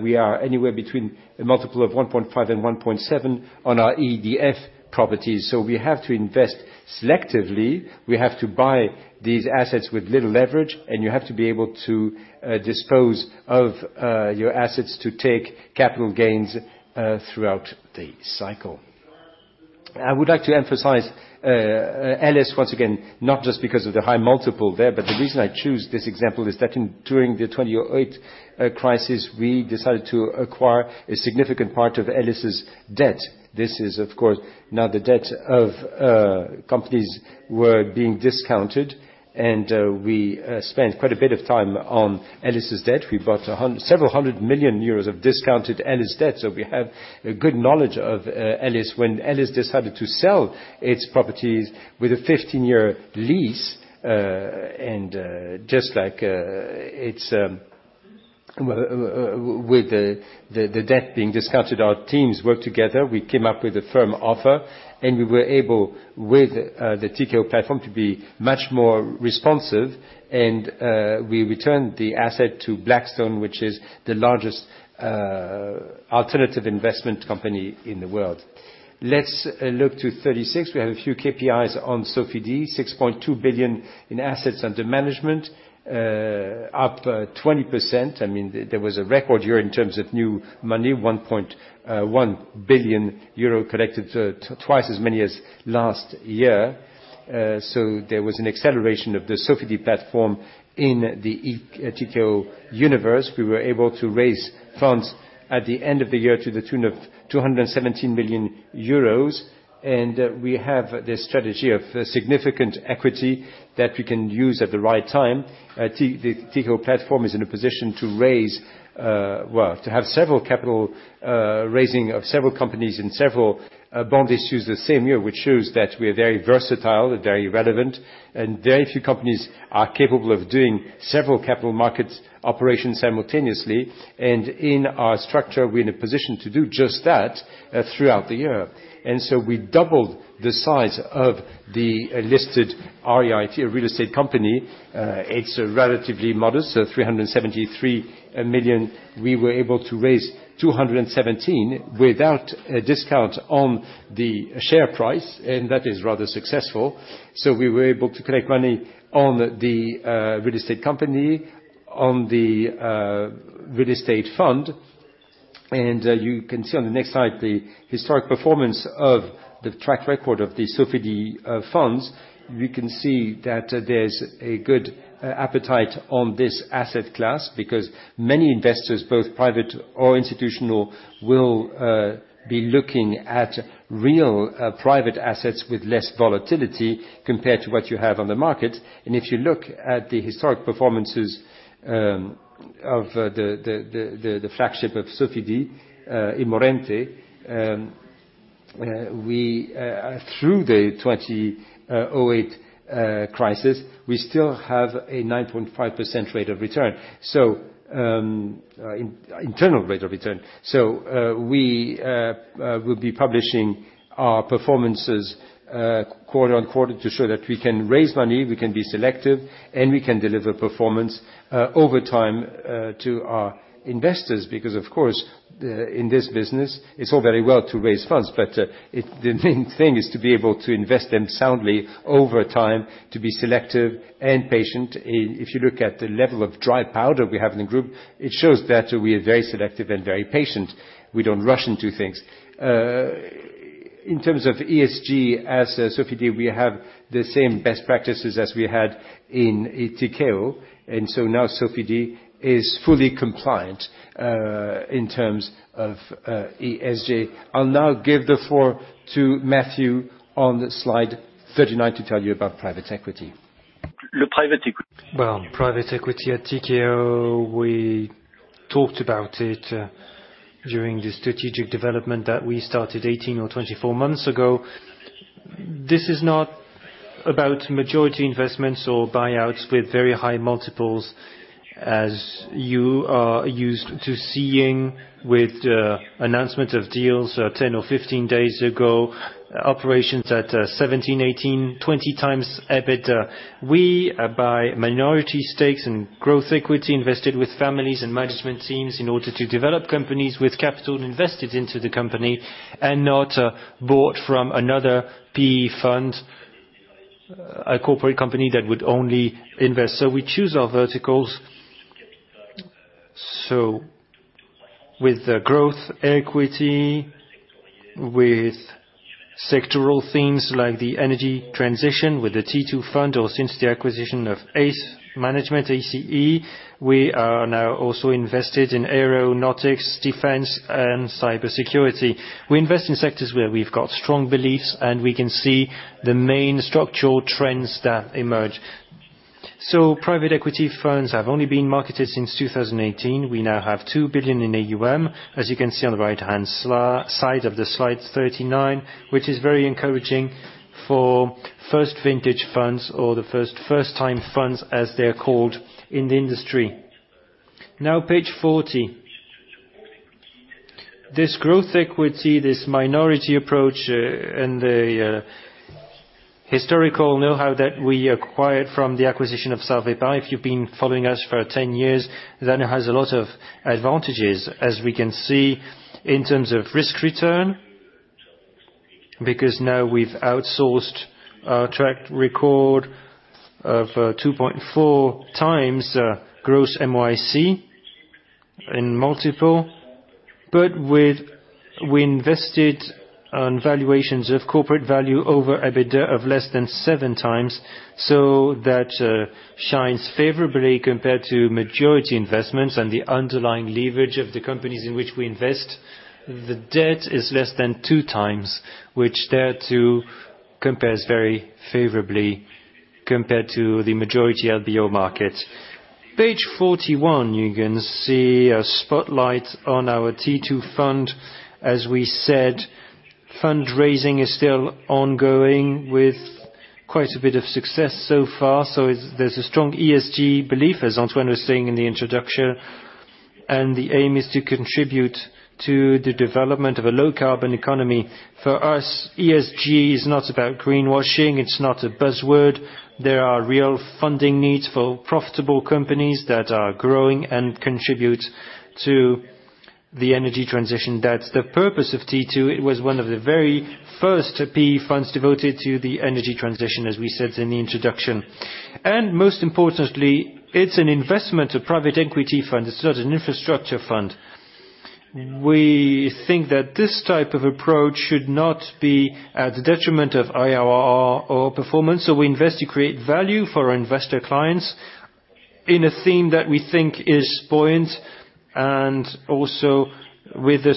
A: we are anywhere between a multiple of 1.5 and 1.7 on our EDF properties. We have to invest selectively. We have to buy these assets with little leverage, and you have to be able to dispose of your assets to take capital gains throughout the cycle. I would like to emphasize Elis once again, not just because of the high multiple there, but the reason I choose this example is that during the 2008 crisis, we decided to acquire a significant part of Elis's debt. This is, of course, now the debt of companies were being discounted. We spent quite a bit of time on Elis's debt. We bought several hundred million EUR of discounted Elis debt, so we have a good knowledge of Elis. When Elis decided to sell its properties with a 15-year lease, and just like With the debt being discounted, our teams worked together. We came up with a firm offer. We were able, with the Tikehau platform, to be much more responsive. We returned the asset to Blackstone, which is the largest alternative investment company in the world. Let's look to 36. We have a few KPIs on Sofidy, 6.2 billion in assets under management, up 20%. There was a record year in terms of new money, 1.1 billion euro collected, twice as many as last year. There was an acceleration of the Sofidy platform in the Tikehau universe. We were able to raise funds at the end of the year to the tune of 217 million euros. We have this strategy of significant equity that we can use at the right time. The Tikehau platform is in a position to have several capital raising of several companies in several bond issues the same year, which shows that we are very versatile and very relevant. Very few companies are capable of doing several capital markets operations simultaneously. In our structure, we're in a position to do just that throughout the year. We doubled the size of the listed REIT real estate company. It is relatively modest, 373 million. We were able to raise 217 without a discount on the share price, that is rather successful. We were able to collect money on the real estate company, on the real estate fund. You can see on the next slide the historic performance of the track record of the Sofidy funds. We can see that there is a good appetite on this asset class because many investors, both private or institutional, will be looking at real private assets with less volatility compared to what you have on the market. If you look at the historic performances of the flagship of Sofidy, Immorente, through the 2008 crisis, we still have a 9.5% rate of return, internal rate of return. We will be publishing our performances quarter on quarter to show that we can raise money, we can be selective, and we can deliver performance over time to our investors because, of course, in this business, it's all very well to raise funds, but the main thing is to be able to invest them soundly over time, to be selective and patient. If you look at the level of dry powder we have in the group, it shows that we are very selective and very patient. We don't rush into things. In terms of ESG, as Sofidy, we have the same best practices as we had in Tikehau. Now Sofidy is fully compliant in terms of ESG. I'll now give the floor to Mathieu on slide 39 to tell you about private equity.
B: Well, private equity at Tikehau, we talked about it during the strategic development that we started 18 or 24 months ago. This is not about majority investments or buyouts with very high multiples as you are used to seeing with announcement of deals 10 or 15 days ago, operations at 17x, 18x, 20x EBITDA. We buy minority stakes and growth equity invested with families and management teams in order to develop companies with capital invested into the company and not bought from another PE fund, a corporate company that would only invest. We choose our verticals. With the growth equity, with sectoral themes like the energy transition with the T2 fund, or since the acquisition of ACE Management, A-C-E, we are now also invested in aeronautics, defense, and cybersecurity. We invest in sectors where we've got strong beliefs, and we can see the main structural trends that emerge. Private equity funds have only been marketed since 2018. We now have 2 billion in AUM, as you can see on the right-hand side of the slide 39, which is very encouraging for first vintage funds or the first-time funds as they are called in the industry. Now, page 40. This growth equity, this minority approach, and the historical know-how that we acquired from the acquisition of Salvepar. If you've been following us for 10 years, then it has a lot of advantages, as we can see in terms of risk return, because now we've outsourced our track record of 2.4x gross MOIC in multiple. We invested on valuations of corporate value over EBITDA of less than 7x, that shines favorably compared to majority investments and the underlying leverage of the companies in which we invest. The debt is less than 2x, which there too compares very favorably compared to the majority LBO market. Page 41, you can see a spotlight on our T2 fund. As we said, fundraising is still ongoing with quite a bit of success so far. There's a strong ESG belief, as Antoine was saying in the introduction, and the aim is to contribute to the development of a low-carbon economy. For us, ESG is not about greenwashing. It's not a buzzword. There are real funding needs for profitable companies that are growing and contribute to the energy transition. That's the purpose of T2. It was one of the very first PE funds devoted to the energy transition, as we said in the introduction. Most importantly, it's an investment, a private equity fund. It's not an infrastructure fund. We think that this type of approach should not be at the detriment of IRR or performance. We invest to create value for our investor clients in a theme that we think is buoyant and also with a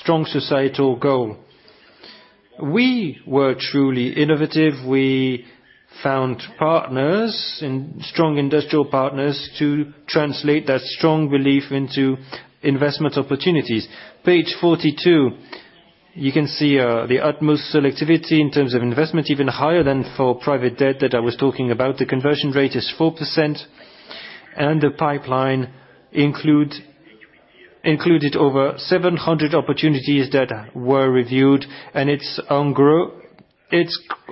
B: strong societal goal. We were truly innovative. We found partners and strong industrial partners to translate that strong belief into investment opportunities. Page 42, you can see the utmost selectivity in terms of investment, even higher than for private debt that I was talking about. The conversion rate is 4%. The pipeline included over 700 opportunities that were reviewed. It's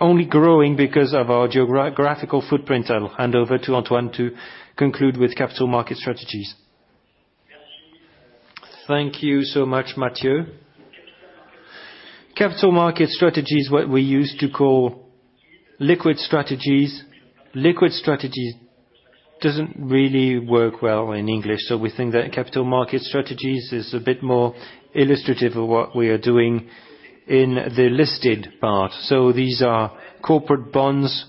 B: only growing because of our geographical footprint. I'll hand over to Antoine to conclude with Capital Market Strategies.
A: Thank you so much, Mathieu. Capital market strategy is what we used to call liquid strategies. Liquid strategy doesn't really work well in English. We think that Capital Market Strategies is a bit more illustrative of what we are doing in the listed part. These are corporate bonds,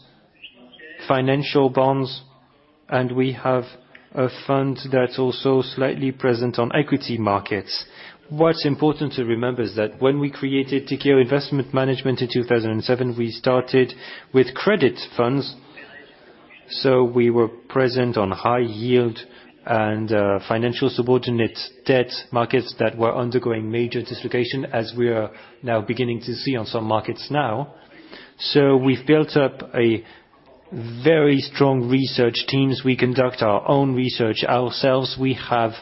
A: financial bonds, and we have a fund that's also slightly present on equity markets. What's important to remember is that when we created Tikehau Investment Management in 2007, we started with credit funds. We were present on high yield and financial subordinate debt markets that were undergoing major dislocation, as we are now beginning to see on some markets now. We've built up a very strong research teams. We conduct our own research ourselves. We have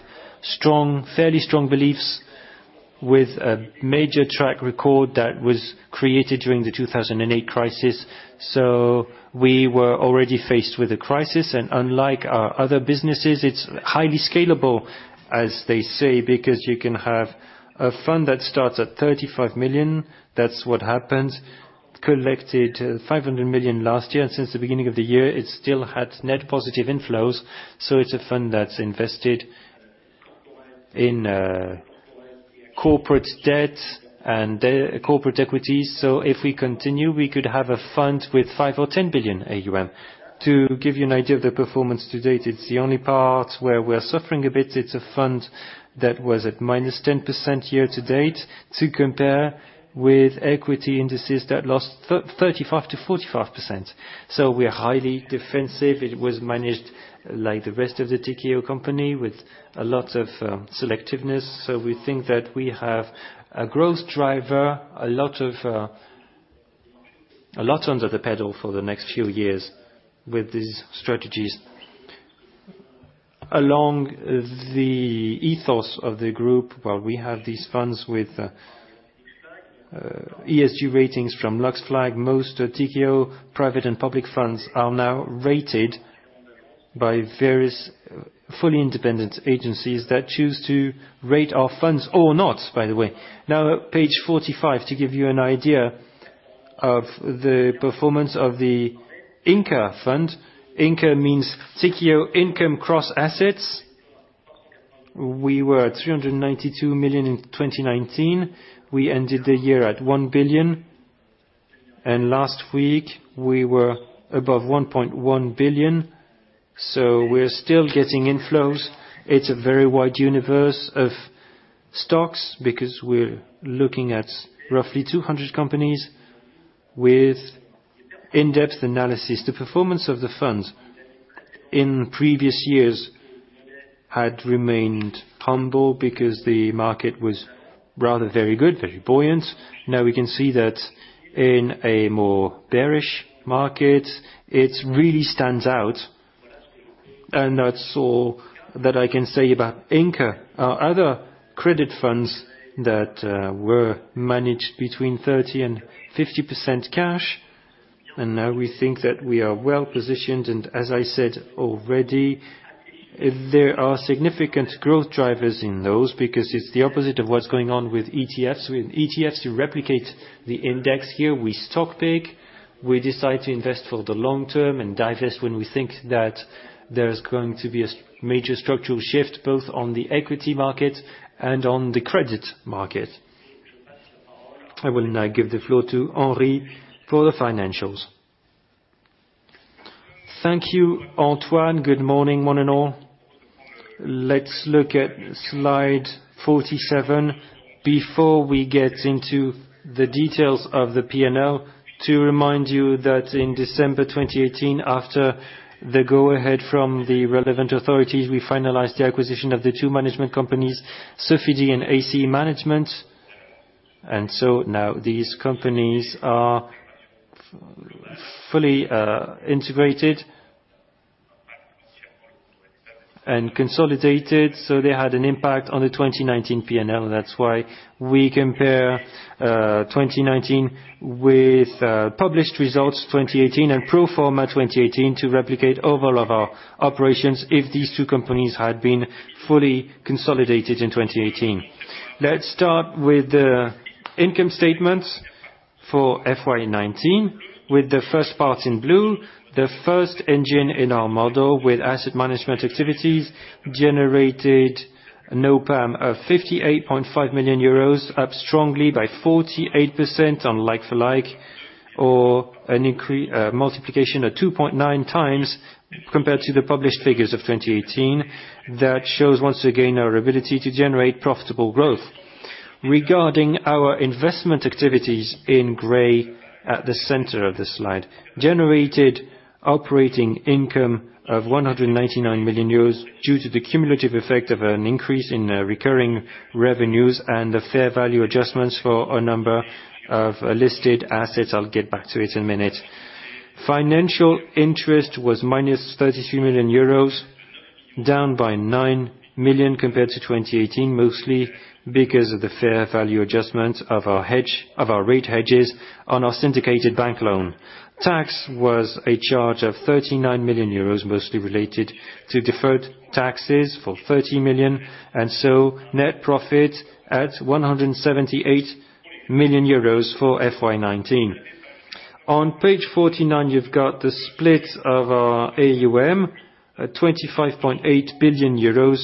A: fairly strong beliefs with a major track record that was created during the 2008 crisis. We were already faced with a crisis, unlike our other businesses, it's highly scalable, as they say, because you can have a fund that starts at 35 million. That's what happened. Collected 500 million last year. Since the beginning of the year, it still had net positive inflows. It's a fund that's invested in corporate debt and corporate equity. If we continue, we could have a fund with 5 billion or 10 billion AUM. To give you an idea of the performance to date, it's the only part where we're suffering a bit. It's a fund that was at -10% year-to-date. To compare with equity indices that lost 35%-45%. We are highly defensive. It was managed like the rest of the Tikehau Capital with a lot of selectiveness. We think that we have a growth driver, a lot under the pedal for the next few years with these strategies. Along the ethos of the group, while we have these funds with ESG ratings from LuxFLAG, most Tikehau Capital private and public funds are now rated by various fully independent agencies that choose to rate our funds or not, by the way. Page 45, to give you an idea of the performance of the INCA fund. INCA means Tikehau Income Cross Assets. We were at 392 million in 2019. We ended the year at 1 billion, last week we were above 1.1 billion. We're still getting inflows. It's a very wide universe of stocks because we're looking at roughly 200 companies with in-depth analysis. The performance of the funds in previous years had remained humble because the market was rather very good, very buoyant. We can see that in a more bearish market, it really stands out. That's all that I can say about INCA. Our other credit funds that were managed between 30% and 50% cash, and now we think that we are well positioned, and as I said already, there are significant growth drivers in those because it's the opposite of what's going on with ETFs. With ETFs, you replicate the index here. We stock pick. We decide to invest for the long term and divest when we think that there's going to be a major structural shift, both on the equity market and on the credit market. I will now give the floor to Henri for the financials.
C: Thank you, Antoine. Good morning, one and all. Let's look at slide 47 before we get into the details of the P&L. To remind you that in December 2018, after the go-ahead from the relevant authorities, we finalized the acquisition of the two management companies, Sofidy and ACE Management. Now these companies are fully integrated and consolidated, so they had an impact on the 2019 P&L. That's why we compare 2019 with published results 2018 and pro forma 2018 to replicate overall of our operations if these two companies had been fully consolidated in 2018. Let's start with the income statement for FY 2019, with the first part in blue. The first engine in our model with asset management activities generated an OPAM of 58.5 million euros, up strongly by 48% on like-for-like, or a multiplication of 2.9x compared to the published figures of 2018. That shows, once again, our ability to generate profitable growth. Regarding our investment activities in gray at the center of the slide, generated operating income of 199 million euros due to the cumulative effect of an increase in recurring revenues and the fair value adjustments for a number of listed assets. I will get back to it in a minute. Financial interest was minus 33 million euros, down by 9 million compared to 2018, mostly because of the fair value adjustment of our rate hedges on our syndicated bank loan. Tax was a charge of 39 million euros, mostly related to deferred taxes for 30 million, net profit at 178 million euros for FY 2019. On page 49, you have got the split of our AUM, 25.8 billion euros,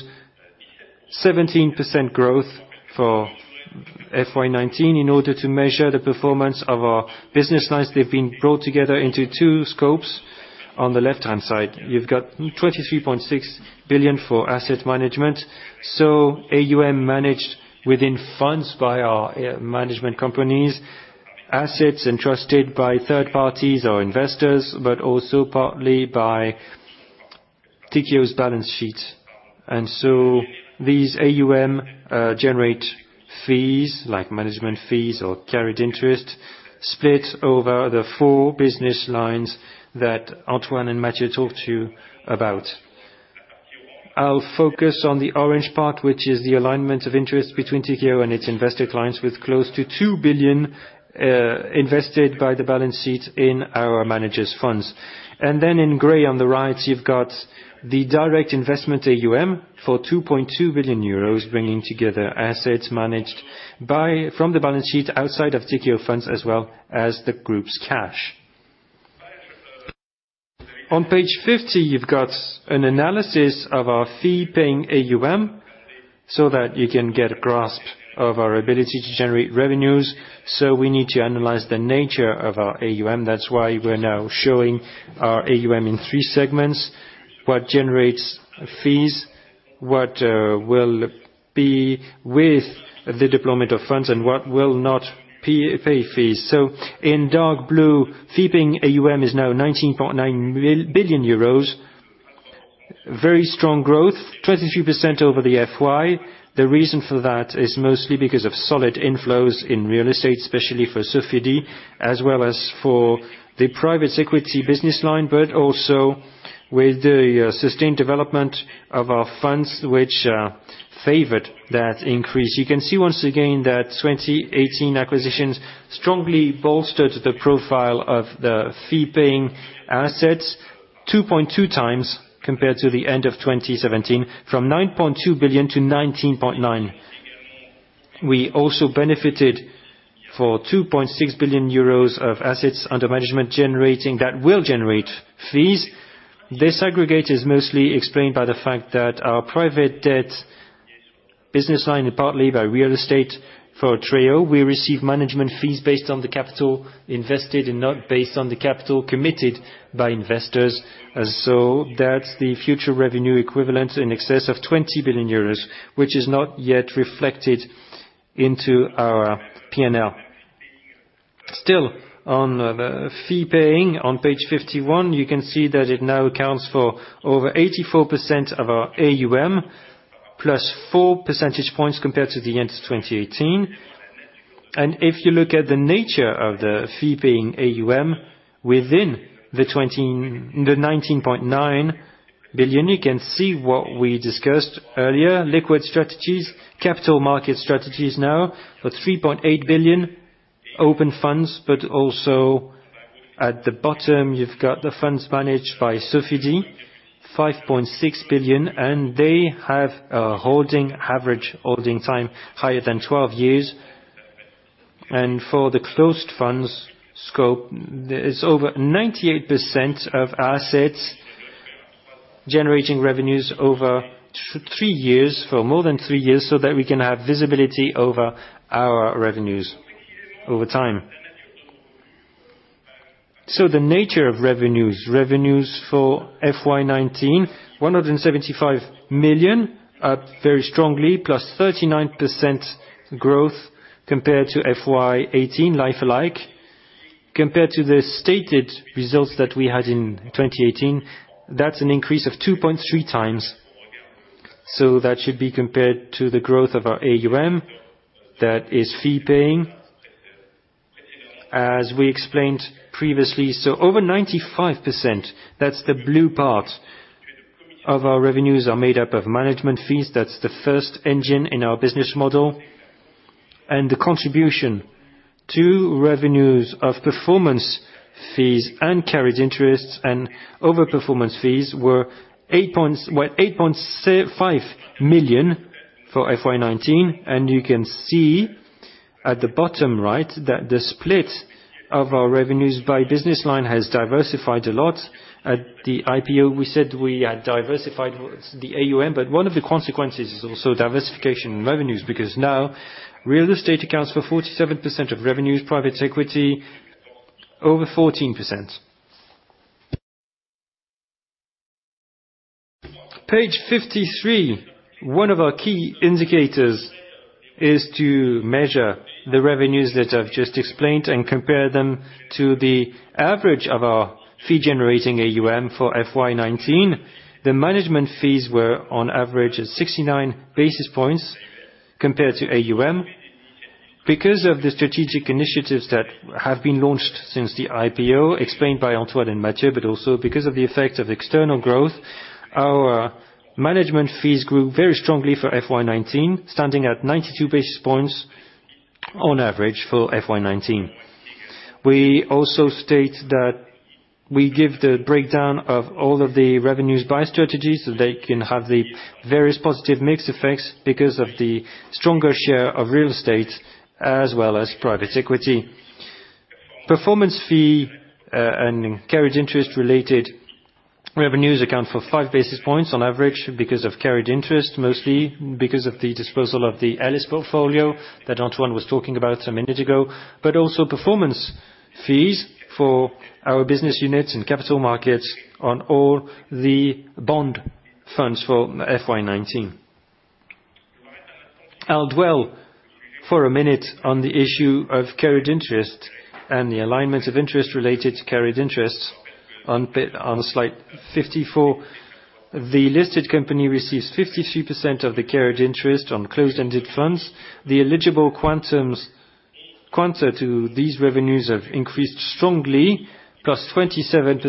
C: 17% growth for FY 2019. In order to measure the performance of our business lines, they have been brought together into two scopes. On the left-hand side, you've got 23.6 billion for asset management, so AUM managed within funds by our management companies, assets entrusted by third parties or investors, but also partly by Tikehau's balance sheet. These AUM generate fees like management fees or carried interest split over the four business lines that Antoine and Mathieu talked to you about. I'll focus on the orange part, which is the alignment of interest between Tikehau and its investor clients with close to 2 billion invested by the balance sheet in our managers' funds. In gray on the right, you've got the direct investment AUM for 2.2 billion euros, bringing together assets managed from the balance sheet outside of Tikehau funds, as well as the group's cash. On page 50, you've got an analysis of our fee-paying AUM so that you can get a grasp of our ability to generate revenues. We need to analyze the nature of our AUM, that's why we're now showing our AUM in three segments. What generates fees, what will be with the deployment of funds, and what will not pay fees. In dark blue, fee-paying AUM is now 19.9 billion euros. Very strong growth, 23% over the FY. The reason for that is mostly because of solid inflows in real estate, especially for Sofidy, as well as for the private equity business line, but also with the sustained development of our funds, which favored that increase. You can see once again that 2018 acquisitions strongly bolstered the profile of the fee-paying assets 2.2x compared to the end of 2017, from 9.2 billion-19.9 billion. We also benefited for 2.6 billion euros of assets under management that will generate fees. This aggregate is mostly explained by the fact that our private debt business line, and partly by real estate for TREO, we receive management fees based on the capital invested and not based on the capital committed by investors. That's the future revenue equivalent in excess of 20 billion euros, which is not yet reflected into our P&L. Still on the fee-paying, on page 51, you can see that it now accounts for over 84% of our AUM, plus four percentage points compared to the end of 2018. If you look at the nature of the fee-paying AUM within the 19.9 billion, you can see what we discussed earlier, liquid strategies, Capital Market Strategies now for 3.8 billion, open funds. Also at the bottom, you've got the funds managed by Sofidy, 5.6 billion, and they have an average holding time higher than 12 years. For the closed funds scope, it's over 98% of assets generating revenues over three years, for more than three years, so that we can have visibility over our revenues over time. The nature of revenues. Revenues for FY 2019, 175 million, up very strongly, +39% growth compared to FY 2018 like-for-like. Compared to the stated results that we had in 2018, that's an increase of 2.3x. That should be compared to the growth of our AUM. That is fee-paying, as we explained previously. Over 95%, that's the blue part of our revenues, are made up of management fees. That's the first engine in our business model. The contribution to revenues of performance fees and carried interests and over-performance fees were 8.5 million for FY 2019, and you can see at the bottom right that the split of our revenues by business line has diversified a lot. At the IPO, we said we had diversified the AUM, but one of the consequences is also diversification in revenues, because now real estate accounts for 47% of revenues, private equity over 14%. Page 53. One of our key indicators is to measure the revenues that I've just explained and compare them to the average of our fee-generating AUM for FY 2019. The management fees were on average 69 basis points compared to AUM. Because of the strategic initiatives that have been launched since the IPO, explained by Antoine and Mathieu, but also because of the effect of external growth, our management fees grew very strongly for FY 2019, standing at 92 basis points on average for FY 2019. We also state that we give the breakdown of all of the revenues by strategy, so they can have the various positive mix effects because of the stronger share of real estate as well as private equity. Performance fee and carried interest-related revenues account for 5 basis points on average because of carried interest, mostly because of the disposal of the Elis portfolio that Antoine was talking about a minute ago, but also performance fees for our business units and capital markets on all the bond funds for FY 2019. I'll dwell for a minute on the issue of carried interest and the alignment of interest related to carried interest on slide 54. The listed company receives 53% of the carried interest on closed-ended funds. The eligible quanta to these revenues have increased strongly, plus 27%,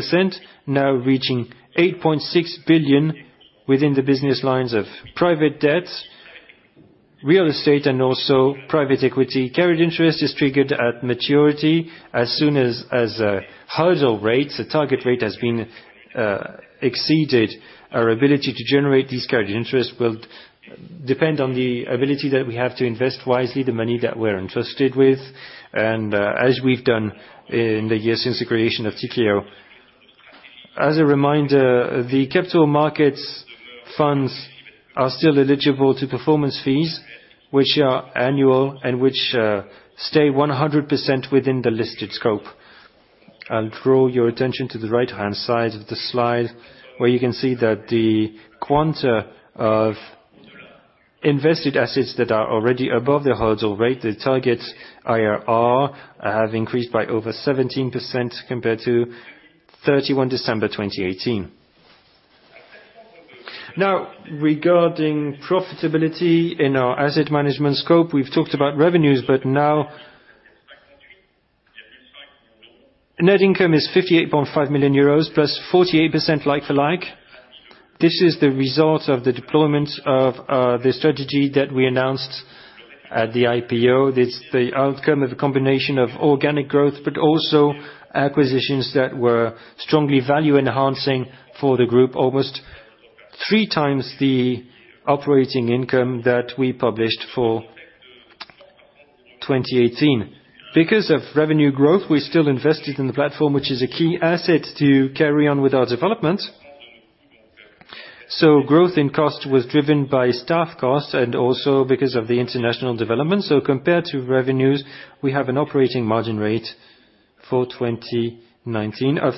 C: now reaching 8.6 billion within the business lines of private debt, real estate, and also private equity. Carried interest is triggered at maturity as soon as a hurdle rate, the target rate, has been exceeded. Our ability to generate this carried interest will depend on the ability that we have to invest wisely the money that we're entrusted with, and as we've done in the years since the creation of Tikehau. As a reminder, the capital markets funds are still eligible to performance fees, which are annual and which stay 100% within the listed scope. I'll draw your attention to the right-hand side of the slide, where you can see that the quanta of invested assets that are already above the hurdle rate, the target IRR, have increased by over 17% compared to 31 December 2018. Regarding profitability in our asset management scope, we've talked about revenues. Net income is 58.5 million euros, plus 48% like-for-like. This is the result of the deployment of the strategy that we announced at the IPO. It's the outcome of a combination of organic growth, but also acquisitions that were strongly value-enhancing for the group, almost 3x the operating income that we published for 2018. Because of revenue growth, we still invested in the platform, which is a key asset to carry on with our development. Growth in cost was driven by staff costs and also because of the international development. Compared to revenues, we have an operating margin rate for 2019 of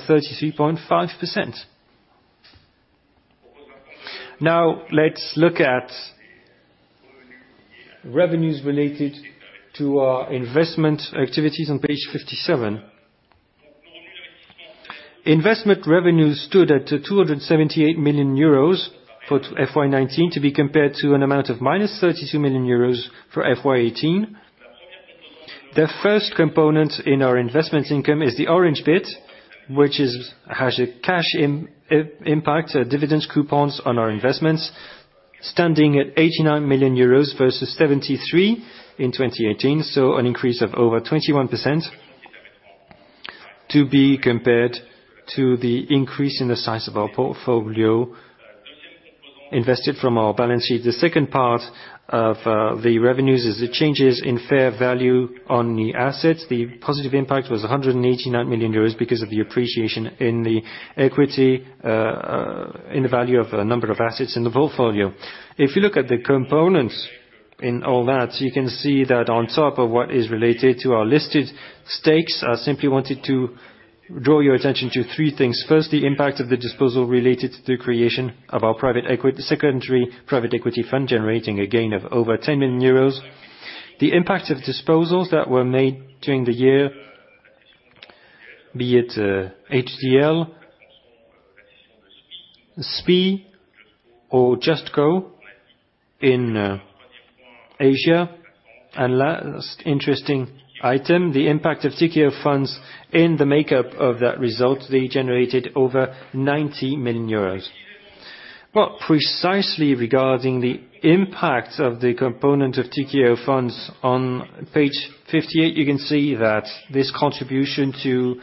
C: 33.5%. Let's look at revenues related to our investment activities on page 57. Investment revenues stood at 278 million euros for FY 2019, to be compared to an amount of -32 million euros for FY 2018. The first component in our investment income is the orange bit, which has a cash impact, dividends coupons on our investments, standing at 89 million euros versus 73 million in 2018. An increase of over 21% to be compared to the increase in the size of our portfolio invested from our balance sheet. The second part of the revenues is the changes in fair value on the assets. The positive impact was 189 million euros because of the appreciation in the equity, in the value of a number of assets in the portfolio. If you look at the components in all that, you can see that on top of what is related to our listed stakes, I simply wanted to draw your attention to three things. First, the impact of the disposal related to the creation of our secondary private equity fund, generating a gain of over 10 million euros. The impact of disposals that were made during the year. Be it HDL, Spie, or JustCo in Asia. Last interesting item, the impact of Tikehau funds in the makeup of that result, they generated over 90 million euros. Precisely regarding the impact of the component of Tikehau funds, on page 58, you can see that this contribution to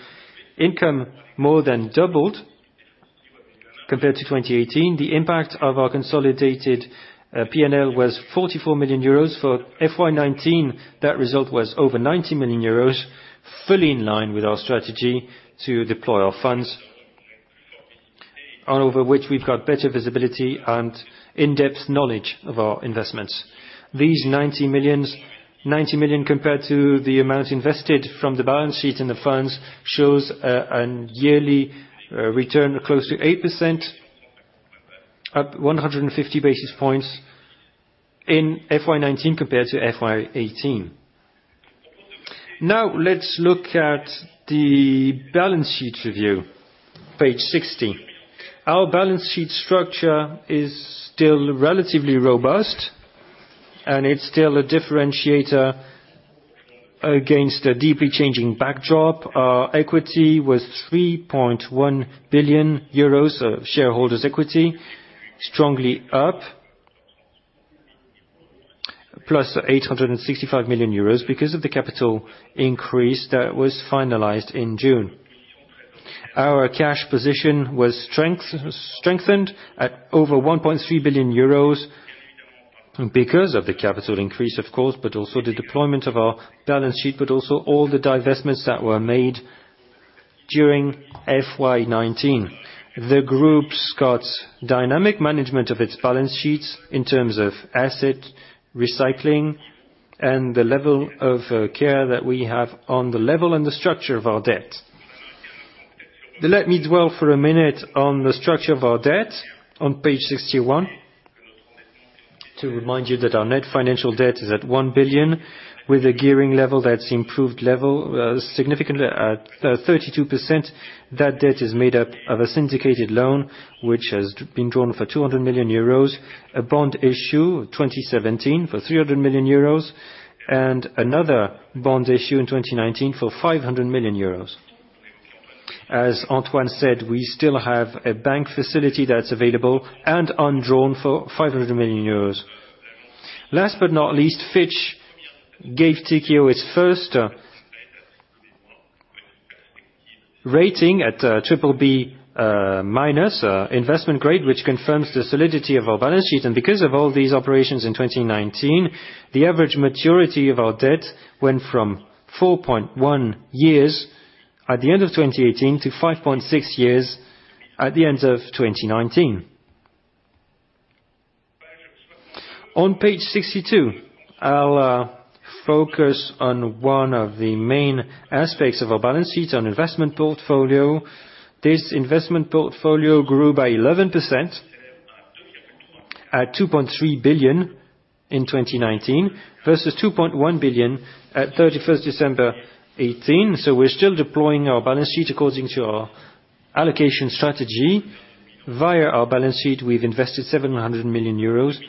C: income more than doubled compared to 2018. The impact of our consolidated P&L was 44 million euros. For FY 2019, that result was over 90 million euros, fully in line with our strategy to deploy our funds, over which we've got better visibility and in-depth knowledge of our investments. These 90 million compared to the amount invested from the balance sheet in the funds, shows a yearly return of close to 8%, up 150 basis points in FY 2019 compared to FY 2018. Let's look at the balance sheet review, page 60. Our balance sheet structure is still relatively robust, it's still a differentiator against a deeply changing backdrop. Our equity was 3.1 billion euros of shareholders' equity, strongly up, plus 865 million euros because of the capital increase that was finalized in June. Our cash position was strengthened at over 1.3 billion euros because of the capital increase, of course, but also the deployment of our balance sheet, but also all the divestments that were made during FY 2019. The group's got dynamic management of its balance sheets in terms of asset recycling and the level of care that we have on the level and the structure of our debt. Let me dwell for a minute on the structure of our debt on page 61, to remind you that our net financial debt is at 1 billion, with a gearing level that's improved significantly at 32%. That debt is made up of a syndicated loan, which has been drawn for 200 million euros, a bond issue 2017 for 300 million euros, and another bond issue in 2019 for 500 million euros. As Antoine said, we still have a bank facility that's available and undrawn for 500 million euros. Last but not least, Fitch gave Tikehau its first rating at BBB minus, investment grade, which confirms the solidity of our balance sheet. Because of all these operations in 2019, the average maturity of our debt went from 4.1 years at the end of 2018 to 5.6 years at the end of 2019. On page 62, I'll focus on one of the main aspects of our balance sheet, on investment portfolio. This investment portfolio grew by 11% at 2.3 billion in 2019 versus 2.1 billion at 31st December 2018. We're still deploying our balance sheet according to our allocation strategy. Via our balance sheet, we invested 700 million euros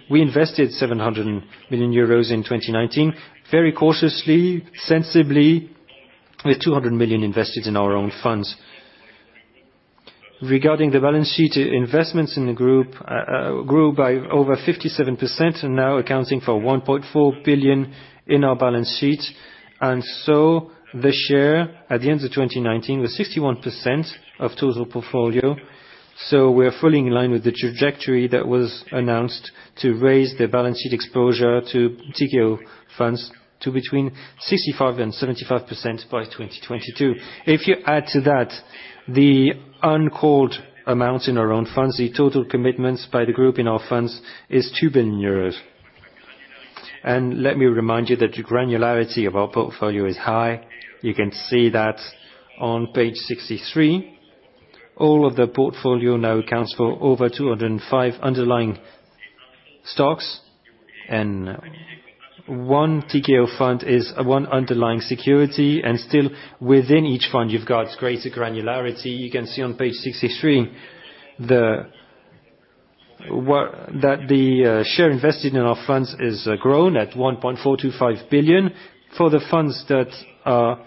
C: in 2019, very cautiously, sensibly, with 200 million invested in our own funds. Regarding the balance sheet, investments in the group grew by over 57% and now accounting for 1.4 billion in our balance sheet. This year, at the end of 2019, was 61% of total portfolio. We're fully in line with the trajectory that was announced to raise the balance sheet exposure to Tikehau funds to between 65% and 75% by 2022. If you add to that the uncalled amounts in our own funds, the total commitments by the group in our funds is 2 billion euros. Let me remind you that the granularity of our portfolio is high. You can see that on page 63. All of the portfolio now accounts for over 205 underlying stocks, and one Tikehau fund is one underlying security, and still within each fund, you've got greater granularity. You can see on page 63 that the share invested in our funds has grown at 1.425 billion. For the funds that are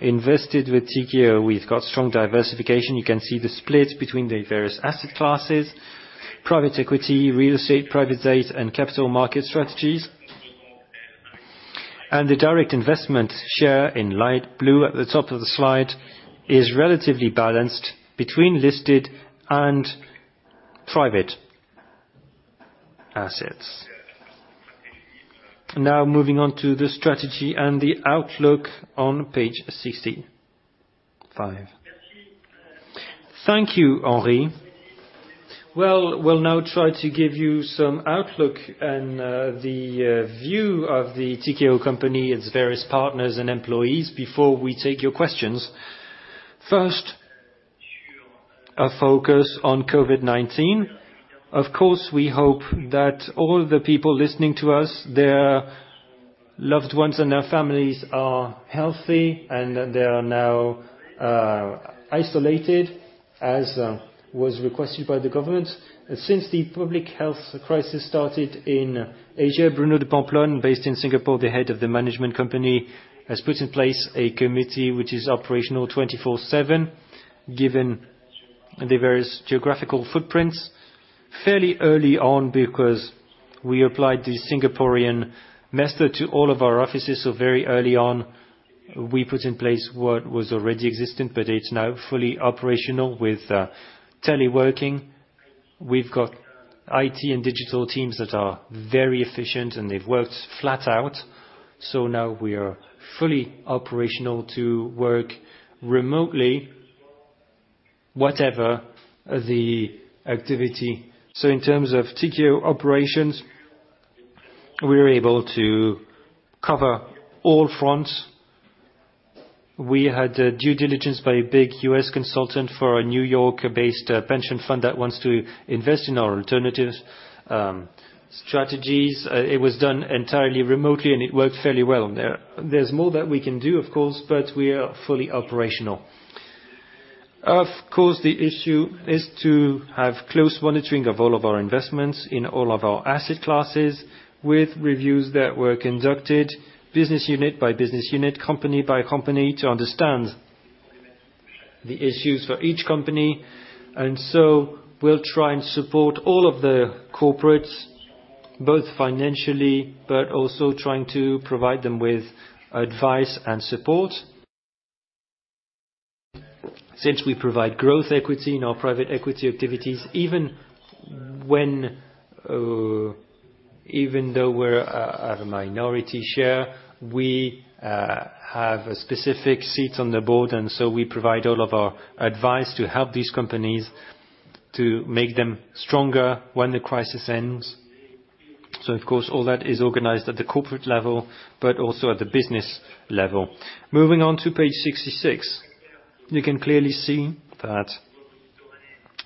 C: invested with Tikehau, we've got strong diversification. You can see the split between the various asset classes, private equity, real estate, private debt, and Capital Market Strategies. The direct investment share in light blue at the top of the slide is relatively balanced between listed and private assets. Moving on to the strategy and the outlook on page 65.
A: Thank you, Henri. We'll now try to give you some outlook and the view of Tikehau Capital, its various partners, and employees before we take your questions. First a focus on COVID-19. Of course, we hope that all the people listening to us, their loved ones and their families are healthy, and they are now isolated as was requested by the government. Since the public health crisis started in Asia, Bruno de Pampelonne, based in Singapore, the head of the management company, has put in place a committee which is operational 24/7, given the various geographical footprints fairly early on because we applied the Singaporean method to all of our offices. Very early on, we put in place what was already existing, but it's now fully operational with teleworking. We've got IT and digital teams that are very efficient, and they've worked flat out. Now we are fully operational to work remotely, whatever the activity. In terms of Tikehau operations, we were able to cover all fronts. We had due diligence by a big U.S. consultant for a New York-based pension fund that wants to invest in our alternatives strategies. It was done entirely remotely, and it worked fairly well. There's more that we can do, of course, but we are fully operational. Of course, the issue is to have close monitoring of all of our investments in all of our asset classes with reviews that were conducted business unit by business unit, company by company, to understand the issues for each company. We'll try and support all of the corporates, both financially, but also trying to provide them with advice and support. Since we provide growth equity in our private equity activities, even though we're at a minority share, we have a specific seat on the board, and so we provide all of our advice to help these companies to make them stronger when the crisis ends. Of course, all that is organized at the corporate level, but also at the business level. Moving on to page 66. You can clearly see that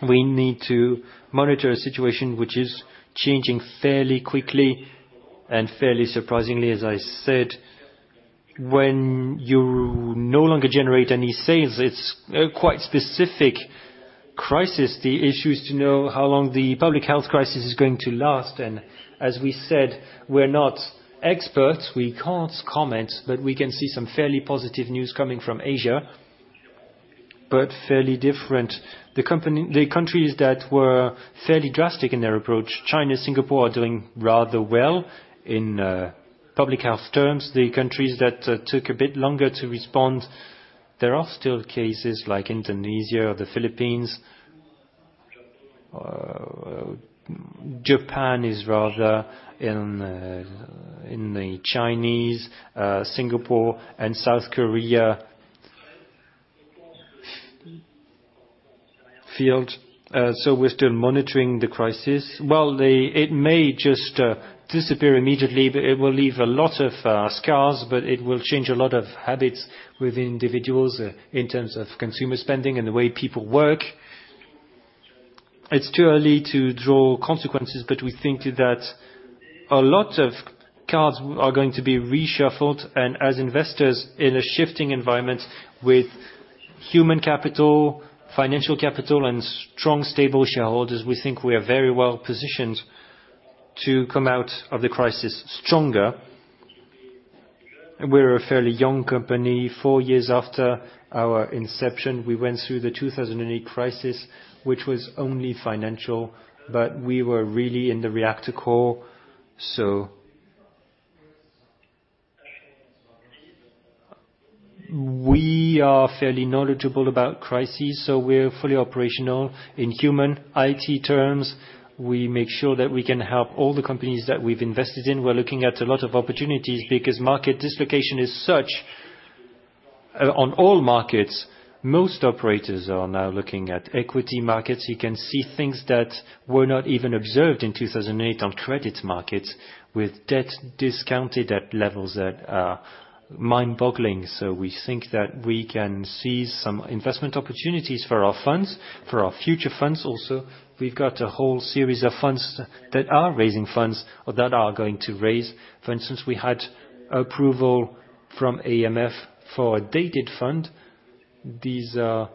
A: we need to monitor a situation which is changing fairly quickly and fairly surprisingly, as I said. When you no longer generate any sales, it's a quite specific crisis. The issue is to know how long the public health crisis is going to last, and as we said, we're not experts. We can't comment, but we can see some fairly positive news coming from Asia, but fairly different. The countries that were fairly drastic in their approach, China, Singapore, are doing rather well in public health terms. The countries that took a bit longer to respond, there are still cases like Indonesia or the Philippines. Japan is rather in the Chinese, Singapore, and South Korea field. We're still monitoring the crisis. Well, it may just disappear immediately, but it will leave a lot of scars, but it will change a lot of habits with individuals in terms of consumer spending and the way people work. It's too early to draw consequences, but we think that a lot of cards are going to be reshuffled, and as investors in a shifting environment with human capital, financial capital, and strong, stable shareholders, we think we are very well positioned to come out of the crisis stronger. We're a fairly young company. Four years after our inception, we went through the 2008 crisis, which was only financial, but we were really in the reactor core. We are fairly knowledgeable about crises, we're fully operational. In human IT terms, we make sure that we can help all the companies that we've invested in. We're looking at a lot of opportunities because market dislocation is such on all markets. Most operators are now looking at equity markets. You can see things that were not even observed in 2008 on credit markets with debt discounted at levels that are mind-boggling. We think that we can seize some investment opportunities for our funds, for our future funds also. We've got a whole series of funds that are raising funds or that are going to raise. For instance, we had approval from AMF for a dated fund. These are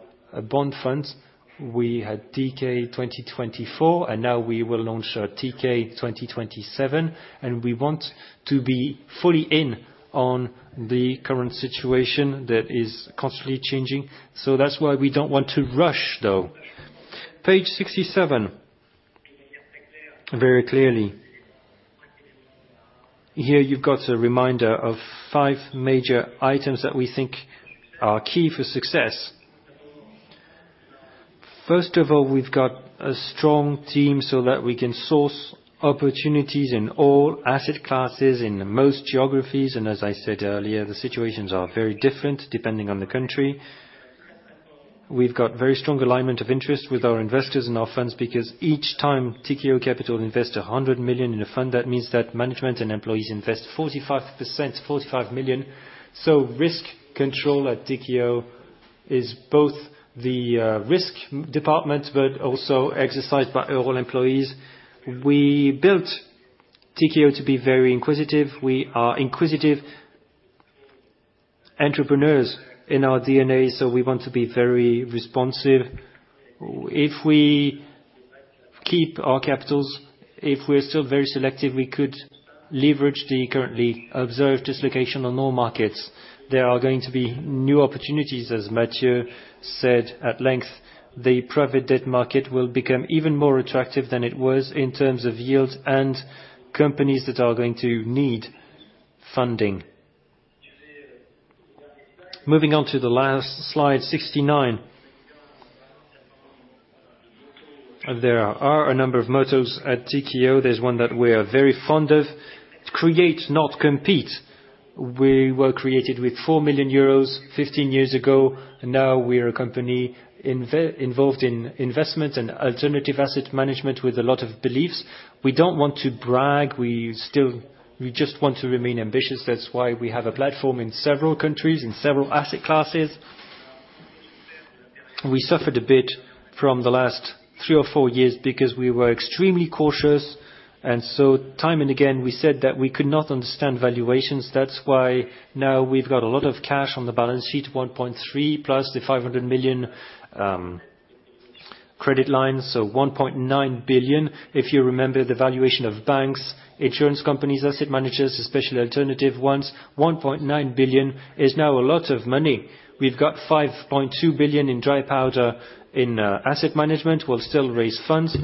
A: bond funds. We had Tikehau 2024, and now we will launch Tikehau 2027, and we want to be fully in on the current situation that is constantly changing. That's why we don't want to rush, though. Page 67. Very clearly. Here you've got a reminder of five major items that we think are key for success. First of all, we've got a strong team so that we can source opportunities in all asset classes in most geographies. As I said earlier, the situations are very different depending on the country. We've got very strong alignment of interest with our investors and our funds because each time Tikehau Capital invest 100 million in a fund, that means that management and employees invest 45%, 45 million. Risk control at Tikehau is both the risk department but also exercised by all employees. We built Tikehau to be very inquisitive. We are inquisitive entrepreneurs in our DNA. We want to be very responsive. If we keep our capitals, if we're still very selective, we could leverage the currently observed dislocation on all markets. There are going to be new opportunities, as Mathieu said at length. The private debt market will become even more attractive than it was in terms of yield and companies that are going to need funding. Moving on to the last slide 69. There are a number of mottos at Tikehau. There's one that we are very fond of, "Create, not compete." We were created with 4 million euros, 15 years ago. Now we are a company involved in investment and alternative asset management with a lot of beliefs. We don't want to brag. We just want to remain ambitious. That's why we have a platform in several countries, in several asset classes. We suffered a bit from the last three or four years because we were extremely cautious. Time and again, we said that we could not understand valuations. That's why now we've got a lot of cash on the balance sheet, 1.3 billion EUR plus the 500 million credit line, so 1.9 billion. If you remember the valuation of banks, insurance companies, asset managers, especially alternative ones, 1.9 billion EUR is now a lot of money. We've got 5.2 billion in dry powder in asset management. We'll still raise funds.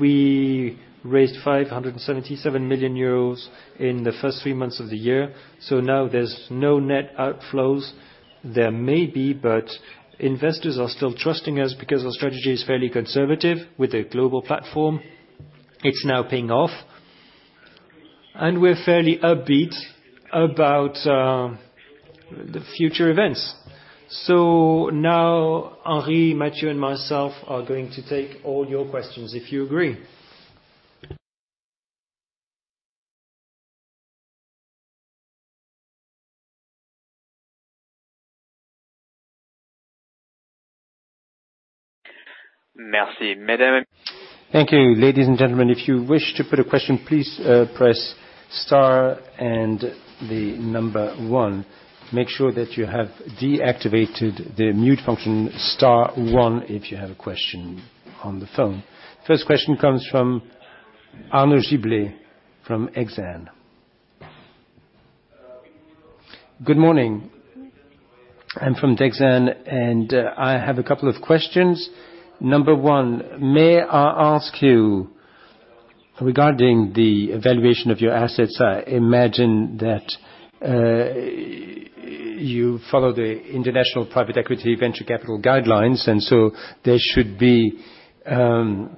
A: We raised 577 million euros in the first three months of the year. Now there's no net outflows. There may be, investors are still trusting us because our strategy is fairly conservative with a global platform. It's now paying off. We're fairly upbeat about the future events. Now, Henri, Mathieu, and myself are going to take all your questions, if you agree.
D: Merci. Madam. Thank you. Ladies and gentlemen, if you wish to put a question, please press star and the number one. Make sure that you have deactivated the mute function. Star one if you have a question on the phone. First question comes from Arnaud Jaureguiberry from Exane.
E: Good morning. I'm from Exane. I have a couple of questions. Number one, may I ask you, regarding the valuation of your assets, I imagine that you follow the international private equity venture capital guidelines. There should be no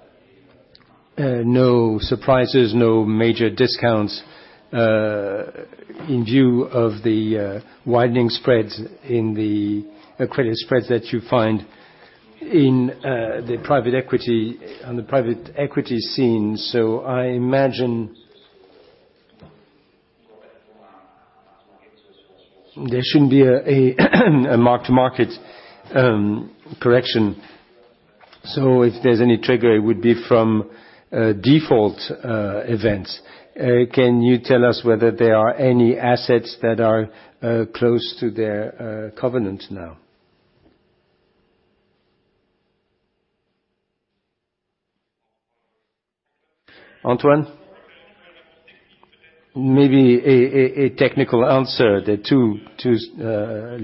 E: surprises, no major discounts in view of the widening spreads in the credit spreads that you find on the private equity scene. I imagine there shouldn't be a mark-to-market correction. If there's any trigger, it would be from default events. Can you tell us whether there are any assets that are close to their covenant now?
D: Antoine?
B: Maybe a technical answer. There are two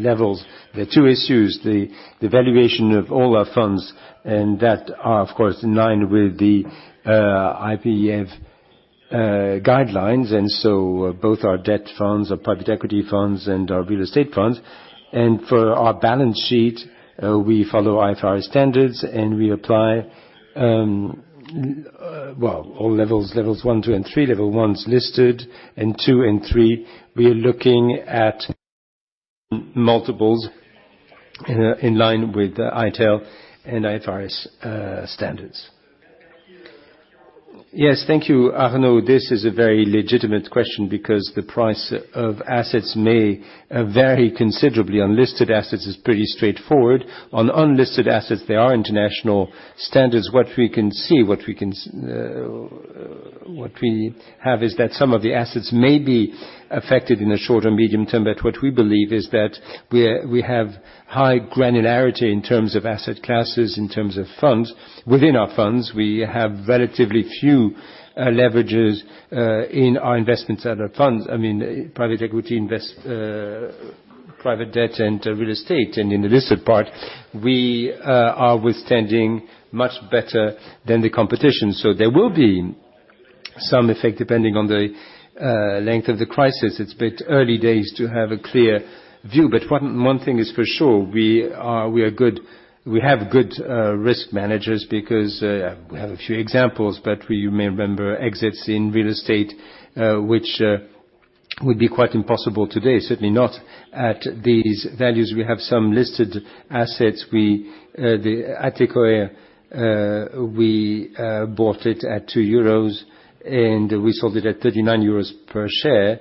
B: levels. There are two issues, the valuation of all our funds, that are, of course, in line with the IPEV guidelines. Both our debt funds, our private equity funds, and our real estate funds. For our balance sheet, we follow IFRS standards, and we apply all levels 1, 2, and 3. Level 1's listed, and 2 and 3, we are looking at multiples in line with ITEL and IFRS standards.
A: Yes. Thank you, Arnaud. This is a very legitimate question because the price of assets may vary considerably. Unlisted assets is pretty straightforward. On unlisted assets, there are international standards. What we have is that some of the assets may be affected in the short or medium term, but what we believe is that we have high granularity in terms of asset classes, in terms of funds. Within our funds, we have relatively few leverages in our investment funds. Private equity invest private debt into real estate. In the listed part, we are withstanding much better than the competition. There will be some effect depending on the length of the crisis. It's a bit early days to have a clear view. One thing is for sure, we have good risk managers because we have a few examples. You may remember exits in real estate, which would be quite impossible today, certainly not at these values. We have some listed assets. At Erytech Pharma, we bought it at 2 euros, and we sold it at 39 euros per share.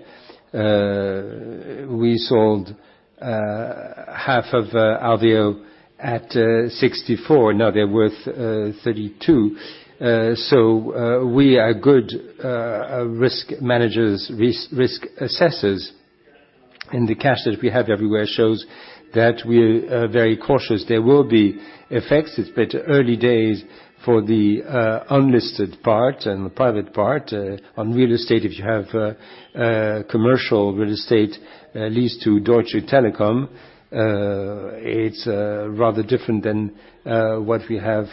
A: We sold half of Alvest at 64. Now they're worth 32. We are good risk managers, risk assessors. The cash that we have everywhere shows that we are very cautious. There will be effects. It's a bit early days for the unlisted part and the private part. On real estate, if you have commercial real estate leased to Deutsche Telekom, it's rather different than what we have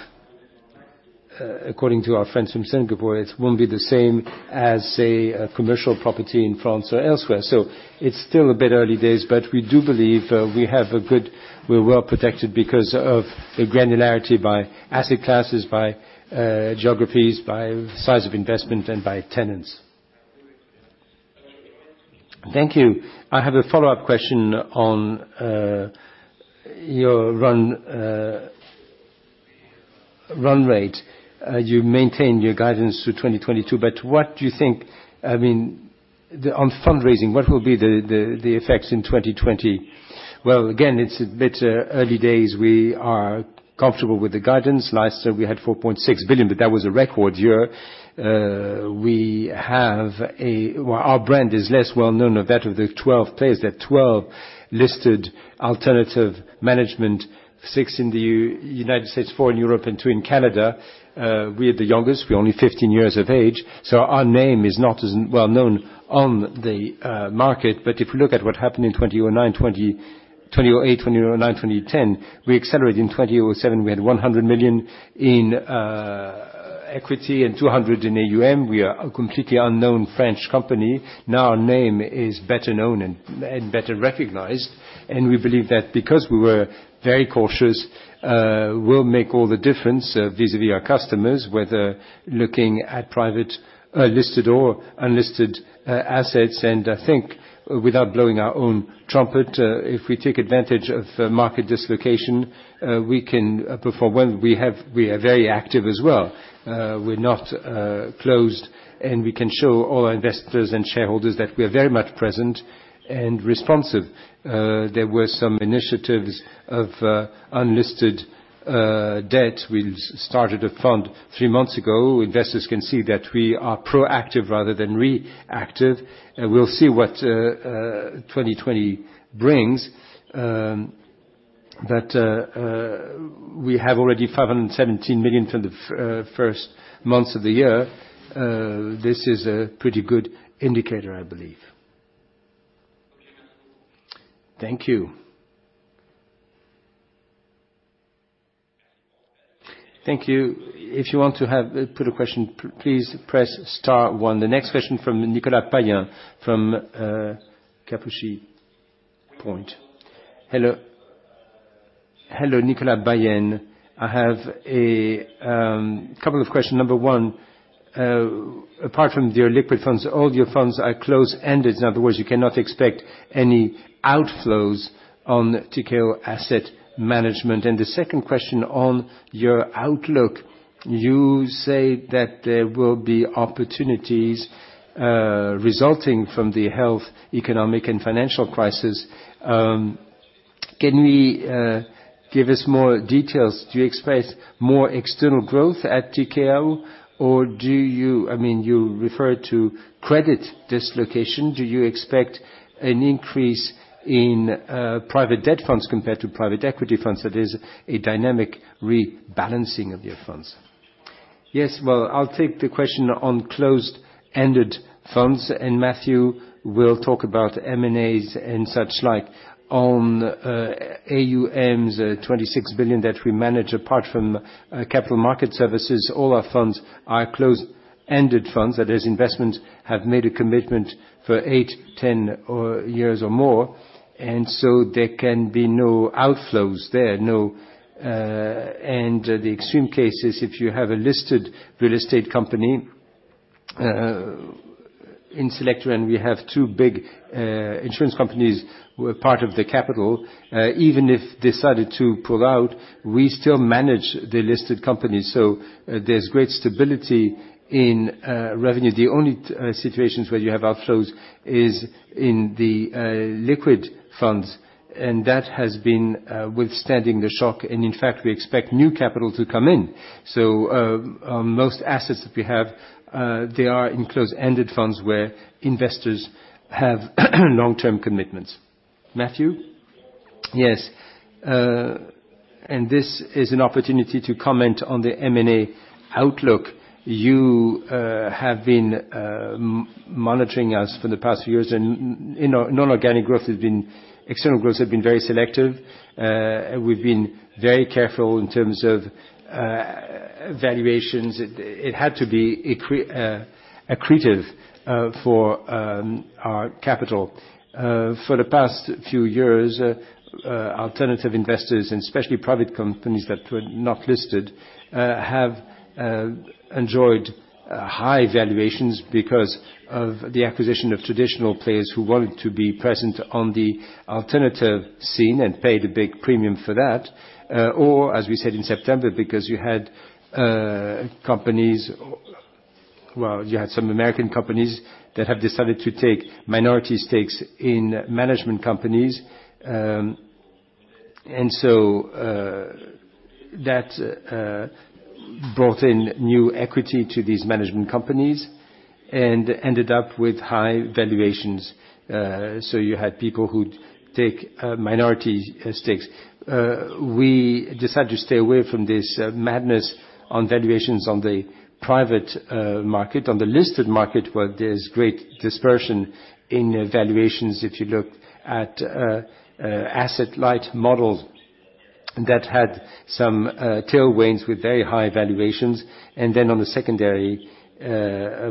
A: according to our friends from Singapore. It won't be the same as, say, a commercial property in France or elsewhere. It's still a bit early days, but we do believe we're well-protected because of the granularity by asset classes, by geographies, by size of investment, and by tenants.
E: Thank you. I have a follow-up question on your run rate. You maintain your guidance through 2022. What do you think, on fundraising, what will be the effects in 2020?
B: Well, again, it's a bit early days. We are comfortable with the guidance. Last year, we had 4.6 billion. That was a record year. Our brand is less well-known of that of the 12 players. There are 12 listed alternative management, six in the U.S., four in Europe, and two in Canada. We are the youngest. We are only 15 years of age. Our name is not as well-known on the market. If you look at what happened in 2008, 2009, 2010, we accelerated. In 2007, we had 100 million in equity and 200 in AUM. We are a completely unknown French company. Now our name is better known and better recognized. We believe that because we were very cautious will make all the difference vis-à-vis our customers, whether looking at private listed or unlisted assets. I think, without blowing our own trumpet, if we take advantage of market dislocation, we can perform well. We are very active as well. We are not closed, and we can show all our investors and shareholders that we are very much present and responsive. There were some initiatives of unlisted debt. We started a fund three months ago. Investors can see that we are proactive rather than reactive. We will see what 2020 brings. We have already 517 million from the first months of the year. This is a pretty good indicator, I believe. Thank you.
D: Thank you. If you want to put a question, please press star one. The next question from Nicolas Payen from Kepler Cheuvreux.
F: Hello, Nicolas Payen. I have a couple of questions. Number one, apart from your liquid funds, all your funds are close-ended. In other words, you cannot expect any outflows on Tikehau Investment Management. The second question on your outlook. You say that there will be opportunities resulting from the health, economic, and financial crisis. Can you give us more details? Do you expect more external growth at Tikehau? You referred to credit dislocation. Do you expect an increase in private debt funds compared to private equity funds, that is, a dynamic rebalancing of your funds?
A: Yes. Well, I'll take the question on closed-ended funds. Mathieu will talk about M&As and such like. On AUM's 26 billion that we manage, apart from capital market services, all our funds are closed-ended funds. That is, investments have made a commitment for eight, 10 years or more. There can be no outflows there. The extreme case is if you have a listed real estate company. In Selectirente, we have two big insurance companies who are part of the capital. Even if they decided to pull out, we still manage the listed companies. There's great stability in revenue. The only situations where you have outflows is in the liquid funds, and that has been withstanding the shock. In fact, we expect new capital to come in. Most assets that we have, they are in closed-ended funds where investors have long-term commitments. Mathieu?
B: Yes. This is an opportunity to comment on the M&A outlook. You have been monitoring us for the past few years, and external growth has been very selective. We've been very careful in terms of valuations. It had to be accretive for our capital. For the past few years, alternative investors, and especially private companies that were not listed, have enjoyed high valuations because of the acquisition of traditional players who wanted to be present on the alternative scene and paid a big premium for that. As we said in September, because you had some American companies that have decided to take minority stakes in management companies that brought in new equity to these management companies and ended up with high valuations. You had people who take minority stakes. We decided to stay away from this madness on valuations on the private market. On the listed market, where there's great dispersion in valuations if you look at asset-light models that had some tailwinds with very high valuations. On the secondary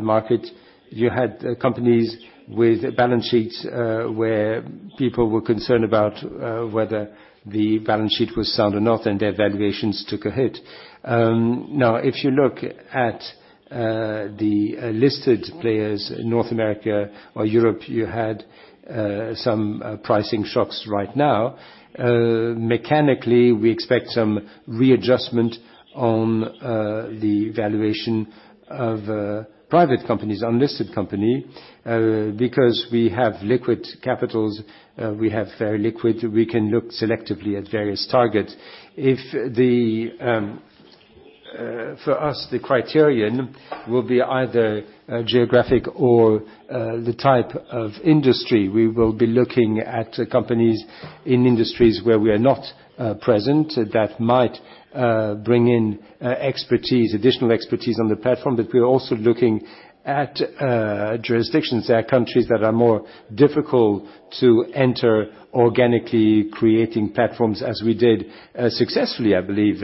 B: market, you had companies with balance sheets where people were concerned about whether the balance sheet was sound or not, and their valuations took a hit. If you look at the listed players in North America or Europe, you had some pricing shocks right now. Mechanically, we expect some readjustment on the valuation of private companies, unlisted company, because we have liquid capitals, we have very liquid. We can look selectively at various targets. For us, the criterion will be either geographic or the type of industry. We will be looking at companies in industries where we are not present that might bring in additional expertise on the platform. We are also looking at jurisdictions. There are countries that are more difficult to enter organically creating platforms as we did successfully, I believe,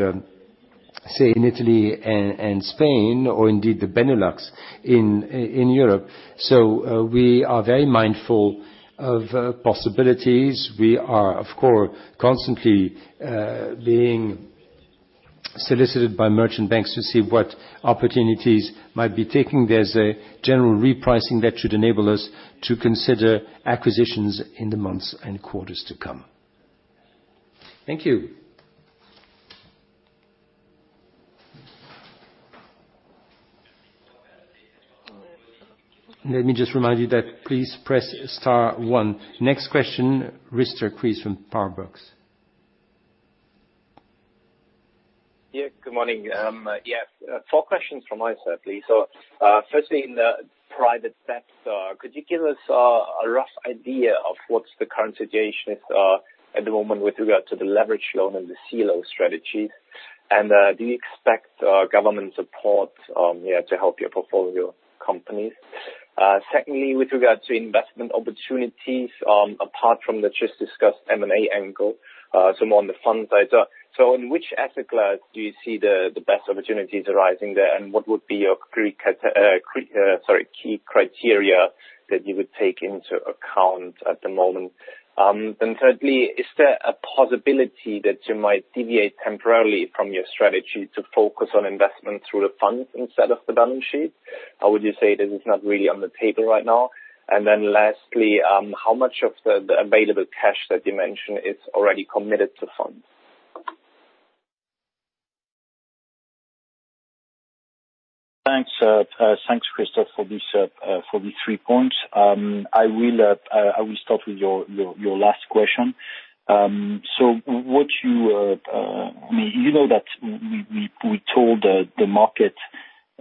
B: say, in Italy and Spain or indeed the Benelux in Europe. We are very mindful of possibilities. We are, of course, constantly being solicited by merchant banks to see what opportunities might be taking. There is a general repricing that should enable us to consider acquisitions in the months and quarters to come.
D: Thank you. Let me just remind you that please press star one. Next question, Christoph Kreis from Powerbox.
G: Yeah, good morning. Four questions from my side, please. Firstly, in the private debt side, could you give us a rough idea of what's the current situation at the moment with regard to the leverage loan and the CLO strategy? Do you expect government support to help your portfolio companies? Secondly, with regard to investment opportunities, apart from the just discussed M&A angle, more on the fund side. In which asset class do you see the best opportunities arising there, and what would be your key criteria that you would take into account at the moment? Thirdly, is there a possibility that you might deviate temporarily from your strategy to focus on investment through the funds instead of the balance sheet? Would you say that it's not really on the table right now? Lastly, how much of the available cash that you mentioned is already committed to funds?
B: Thanks, Christoph, for the three points. I will start with your last question. You know that we told the market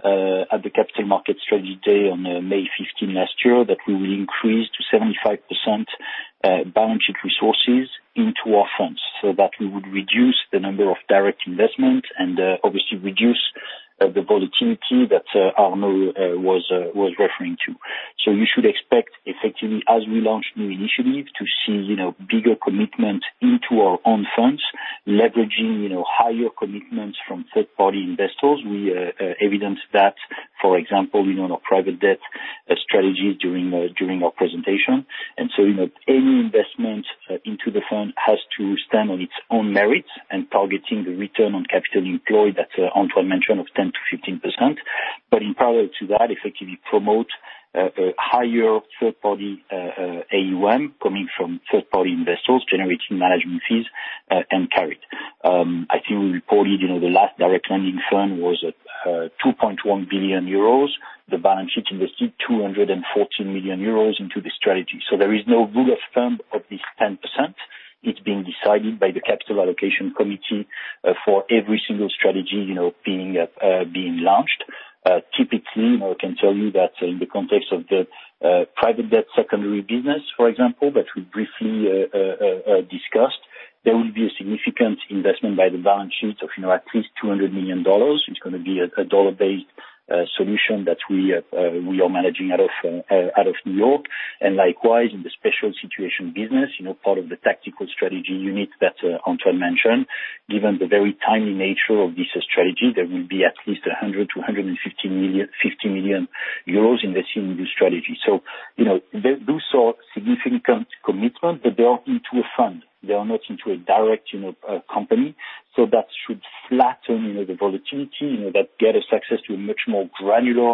B: at the Capital Market Strategy Day on May 15 last year that we will increase to 75% balance sheet resources into our funds, so that we would reduce the number of direct investment and obviously reduce the volatility that Arnaud was referring to. You should expect effectively, as we launch new initiatives to see bigger commitment into our own funds, leveraging higher commitments from third-party investors. We evidenced that, for example, in our private debt strategy during our presentation. Any investment into the fund has to stand on its own merits and targeting the return on capital employed that Antoine mentioned of 10%-15%. In parallel to that, effectively promote a higher third-party AUM coming from third-party investors generating management fees and carry. I think we reported the last direct lending fund was at 2.1 billion euros. The balance sheet invested 214 million euros into the strategy. There is no rule of thumb of this 10%. It's being decided by the capital allocation committee for every single strategy being launched. Typically, I can tell you that in the context of the private debt secondary business, for example, that we briefly discussed, there will be a significant investment by the balance sheet of at least $200 million. It's going to be a dollar-based solution that we are managing out of New York. Likewise, in the special situation business, part of the Tactical Strategies unit that Antoine mentioned, given the very timely nature of this strategy, there will be at least 100 million-150 million euros invested in this strategy. Those are significant commitment, but they are into a fund. They are not into a direct company. That should flatten the volatility, that get us access to a much more granular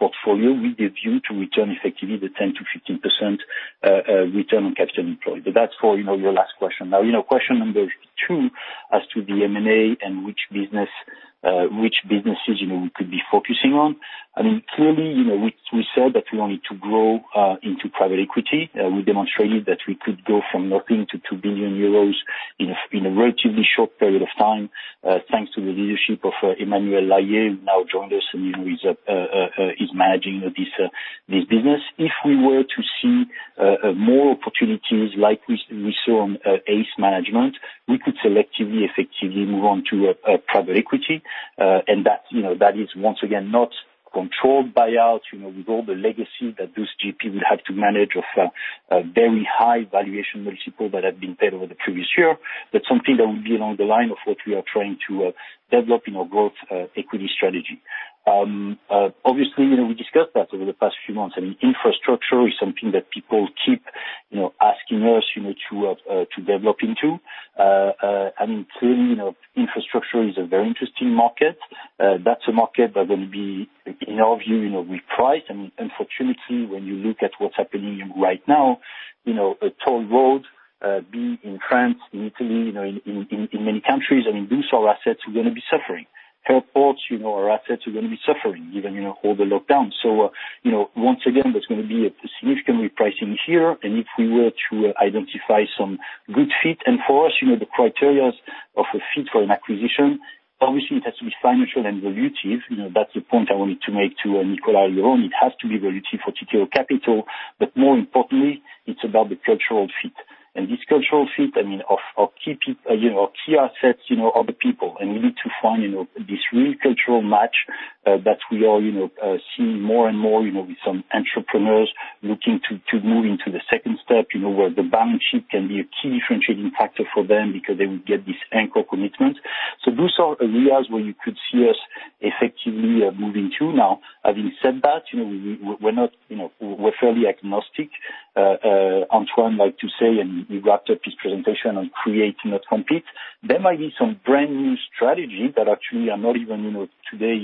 B: portfolio. We give you to return effectively the 10%-15% return on capital employed. That's for your last question. Question number two. the M&A and which businesses we could be focusing on. Clearly, we said that we wanted to grow into private equity. We demonstrated that we could go from nothing to 2 billion euros in a relatively short period of time, thanks to the leadership of Emmanuel La Haye, who now joined us and is managing this business. If we were to see more opportunities like we saw on ACE Management, we could selectively, effectively move on to private equity. That is, once again, not controlled buyouts, with all the legacy that this GP would have to manage of very high valuation multiples that have been paid over the previous year, but something that would be along the line of what we are trying to develop in our growth equity strategy. Obviously, we discussed that over the past few months. Infrastructure is something that people keep asking us to develop into. Clearly, infrastructure is a very interesting market. That's a market that will be, in our view, repriced. Unfortunately, when you look at what's happening right now, toll roads be in France, in Italy, in many countries, and those are assets who are going to be suffering. Airports are assets who are going to be suffering, even with all the lockdowns. Once again, there's going to be a significant repricing here, and if we were to identify some good fit, and for us, the criteria of a fit for an acquisition, obviously it has to be financial and relative. That's the point I wanted to make to Nicolas earlier on. It has to be relative for Tikehau Capital, but more importantly, it's about the cultural fit. This cultural fit of key assets are the people. We need to find this real cultural match that we are seeing more and more with some entrepreneurs looking to move into the second step, where the balance sheet can be a key differentiating factor for them because they will get this anchor commitment. Those are areas where you could see us effectively moving to. Having said that, we're fairly agnostic. Antoine liked to say, and he wrapped up his presentation on create, not compete. There might be some brand-new strategy that actually are not even today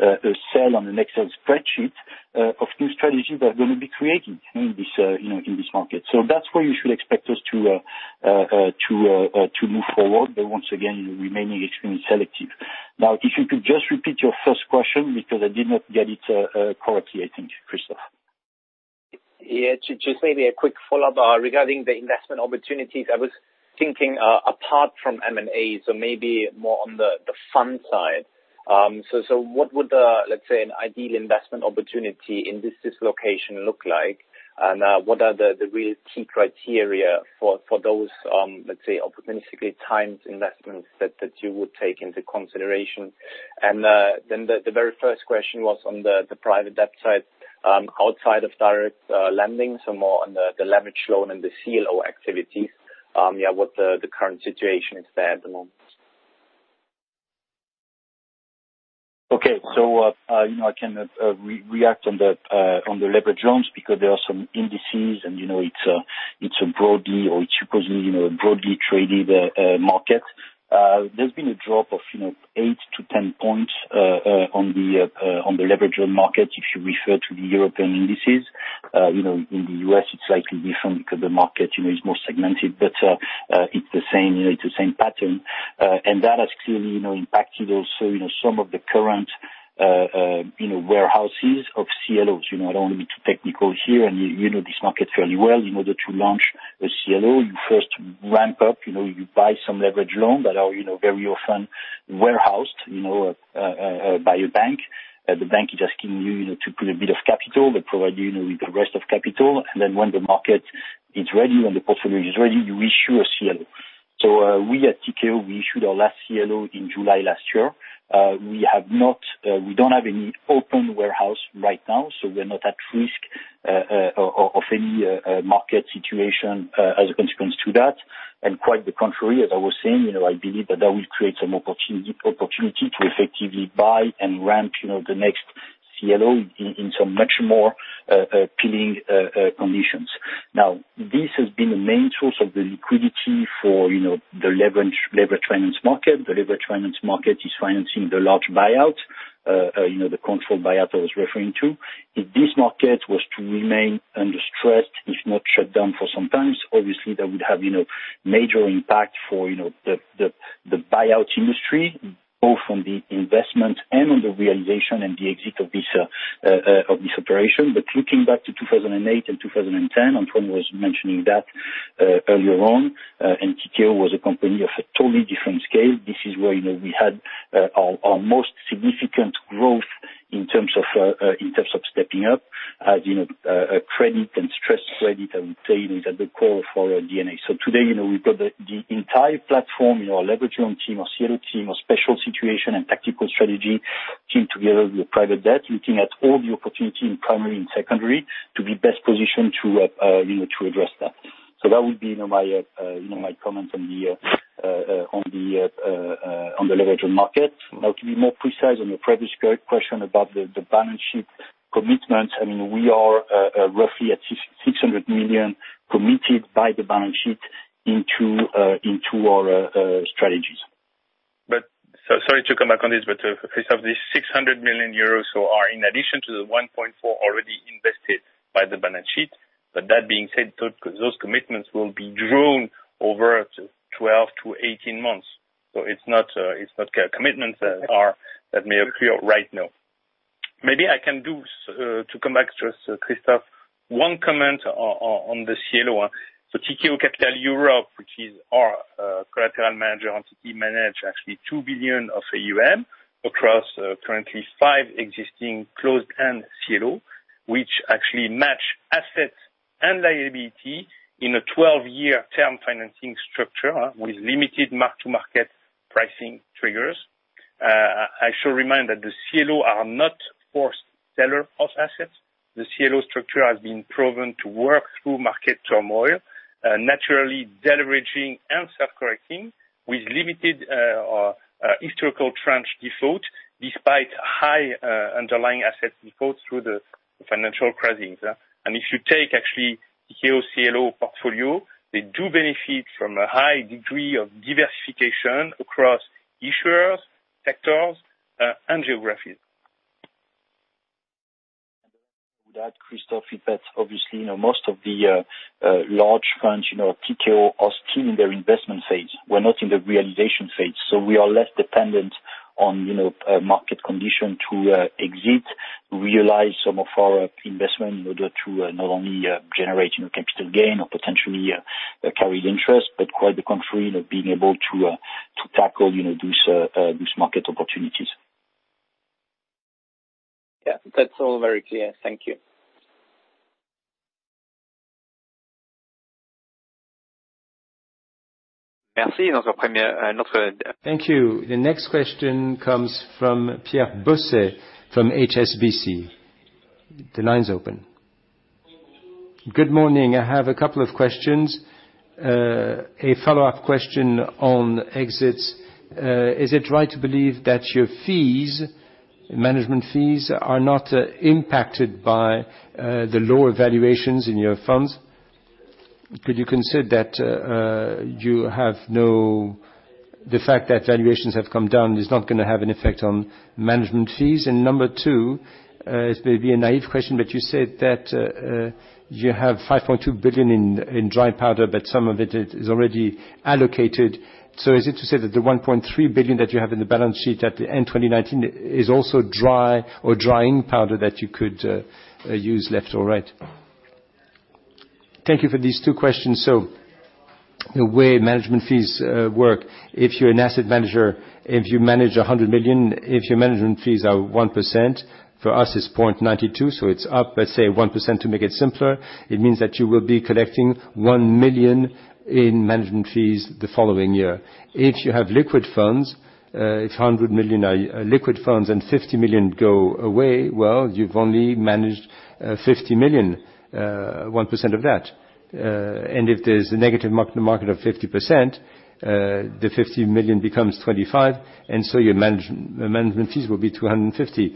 B: a cell on an Excel spreadsheet of new strategies that are going to be created in this market. That's where you should expect us to move forward. Once again, remaining extremely selective. If you could just repeat your first question, because I did not get it correctly, I think, Christoph.
G: Just maybe a quick follow-up regarding the investment opportunities. I was thinking apart from M&A, so maybe more on the fund side. What would the, let's say, an ideal investment opportunity in this dislocation look like? What are the real key criteria for those, let's say, opportunistically timed investments that you would take into consideration? The very first question was on the private debt side outside of direct lending, so more on the leverage loan and the CLO activities. What the current situation is there at the moment.
B: I can react on the leveraged loans because there are some indices, and it's a broadly, or it represents a broadly traded market. There's been a drop of 10 points on the leverage loan market, if you refer to the European indices. In the U.S., it's slightly different because the market is more segmented. It's the same pattern. That has clearly impacted also some of the current warehouses of CLOs. I don't want to be too technical here, and you know this market fairly well. In order to launch a CLO, you first ramp up, you buy some leveraged loans that are very often warehoused by a bank. The bank is asking you to put a bit of capital. They provide you with the rest of capital. When the market is ready, when the portfolio is ready, you issue a CLO. We at Tikehau, we issued our last CLO in July last year. We don't have any open warehouse right now, we're not at risk of any market situation as a consequence to that. Quite the contrary, as I was saying, I believe that that will create some opportunity to effectively buy and ramp the next CLO in some much more appealing conditions. This has been a main source of the liquidity for the leveraged finance market. The leveraged finance market is financing the large buyouts, the controlled buyout I was referring to. If this market was to remain under stress, if not shut down for some times, obviously that would have major impact for the buyout industry, both on the investment and on the realization and the exit of this operation. Looking back to 2008 and 2010, Antoine was mentioning that earlier on, Tikehau was a company of a totally different scale. This is where we had our most significant growth in terms of stepping up as credit and stressed credit, I would say, is at the core of our DNA. Today, we've got the entire platform, our leverage loan team, our CLO team, our special situation and Tactical Strategies team together with private debt, looking at all the opportunity in primary and secondary to be best positioned to address that. That would be my comments on the leverage loan market. To be more precise on your previous question about the balance sheet commitments, we are roughly at 600 million committed by the balance sheet into our strategies.
C: Sorry to come back on this, Christoph, this 600 million euros are in addition to the 1.4 already invested by the balance sheet. That being said, those commitments will be drawn over 12-18 months. It's not commitments that may occur right now. To come back, Christoph, one comment on the CLO. Tikehau Capital Europe, which is our collateral manager, he manages actually 2 billion of AUM across currently five existing closed-end CLOs, which actually match assets and liability in a 12-year term financing structure with limited mark-to-market pricing triggers. I should remind that the CLOs are not forced sellers of assets. The CLO structure has been proven to work through market turmoil, naturally deleveraging and self-correcting with limited historical tranche defaults, despite high underlying asset defaults through the financial crises. If you take, actually, Tikehau CLO portfolio, they do benefit from a high degree of diversification across issuers, sectors, and geographies.
B: Would add, Christoph, that obviously, most of the large funds, Tikehau, are still in their investment phase. We're not in the realization phase. We are less dependent on market condition to exit, realize some of our investment in order to not only generate capital gain or potentially carried interest, but quite the contrary, being able to tackle these market opportunities.
G: Yeah. That's all very clear. Thank you.
D: Thank you. The next question comes from Pierre Bosset from HSBC. The line's open.
H: Good morning. I have a couple of questions. A follow-up question on exits. Is it right to believe that your management fees are not impacted by the lower valuations in your funds? Could you consider the fact that valuations have come down is not going to have an effect on management fees? Number two, this may be a naive question, but you said that you have 5.2 billion in dry powder, but some of it is already allocated. Is it to say that the 1.3 billion that you have in the balance sheet at the end 2019 is also dry or drying powder that you could use left or right? Thank you for these two questions.
A: The way management fees work, if you're an asset manager, if you manage 100 million, if your management fees are 1%, for us it's 0.92, it's, let's say, 1% to make it simpler. It means that you will be collecting 1 million in management fees the following year. If you have liquid funds, if 100 million are liquid funds and 50 million go away, well, you've only managed 50 million, 1% of that. If there's a negative market of 50%, the 50 million becomes 25, and your management fees will be 250.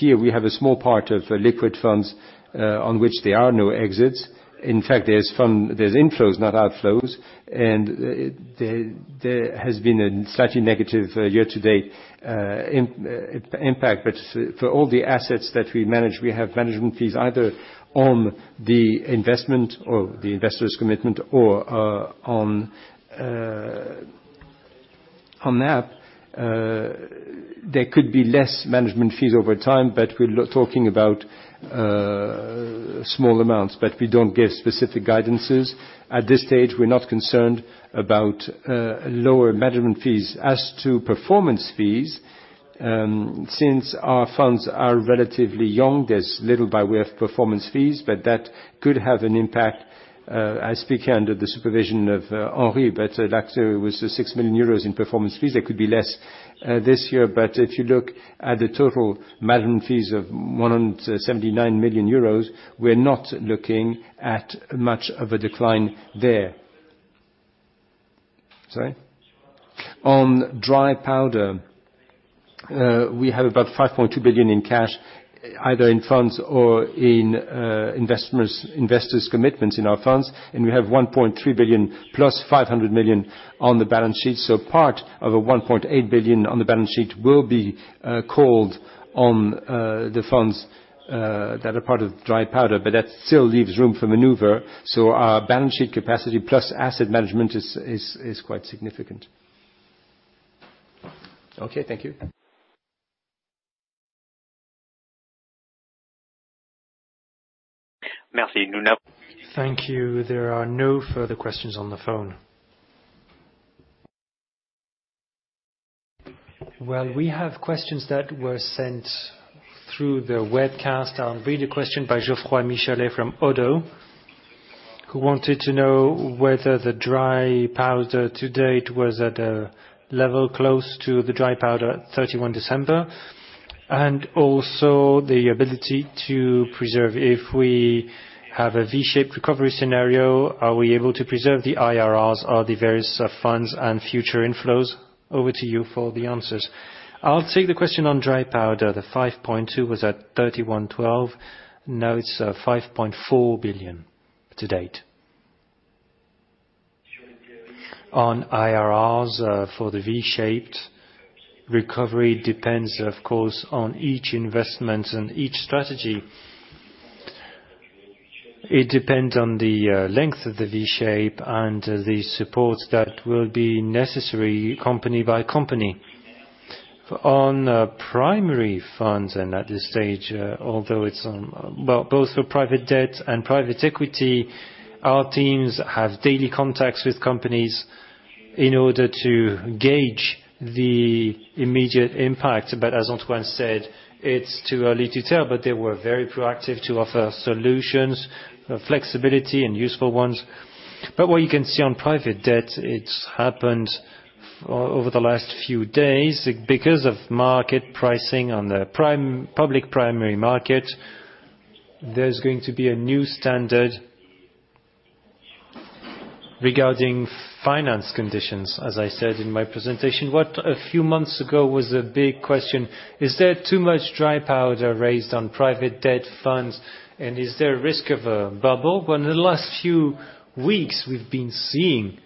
A: Here we have a small part of liquid funds on which there are no exits. In fact, there's inflows, not outflows, there has been a slightly negative year-to-date impact. For all the assets that we manage, we have management fees either on the investment or the investor's commitment or on that. There could be less management fees over time, but we're talking about small amounts. We don't give specific guidances. At this stage, we're not concerned about lower management fees. As to performance fees, since our funds are relatively young, there's little by way of performance fees, but that could have an impact. I speak under the supervision of Henri, but that was 6 million euros in performance fees. That could be less this year, but if you look at the total management fees of 179 million euros, we're not looking at much of a decline there. Sorry? On dry powder, we have about 5.2 billion in cash, either in funds or in investors' commitments in our funds, and we have 1.3 billion + 500 million on the balance sheet. Part of 1.8 billion on the balance sheet will be called on the funds that are part of dry powder. That still leaves room for maneuver, so our balance sheet capacity plus asset management is quite significant.
H: Okay. Thank you.
D: Thank you. There are no further questions on the phone. We have questions that were sent through the webcast. I'll read a question by Geoffroy Michalet from Oddo, who wanted to know whether the dry powder to date was at a level close to the dry powder at 31 December, and also the ability to preserve. If we have a V-shaped recovery scenario, are we able to preserve the IRRs of the various funds and future inflows? Over to you for the answers.
B: I'll take the question on dry powder. The 5.2 was at 31/12. Now it's 5.4 billion to date. On IRRs for the V-shaped recovery, depends of course, on each investment and each strategy. It depends on the length of the V-shape and the support that will be necessary company by company. On primary funds and at this stage, although it's on. Well, both for private debt and private equity, our teams have daily contacts with companies in order to gauge the immediate impact. As Antoine said, it's too early to tell, but they were very proactive to offer solutions, flexibility and useful ones. What you can see on private debt, it's happened over the last few days because of market pricing on the public primary market, there's going to be a new standard regarding finance conditions, as I said in my presentation. What a few months ago was a big question, is there too much dry powder raised on private debt funds and is there a risk of a bubble? Well, in the last few weeks we've been seeing,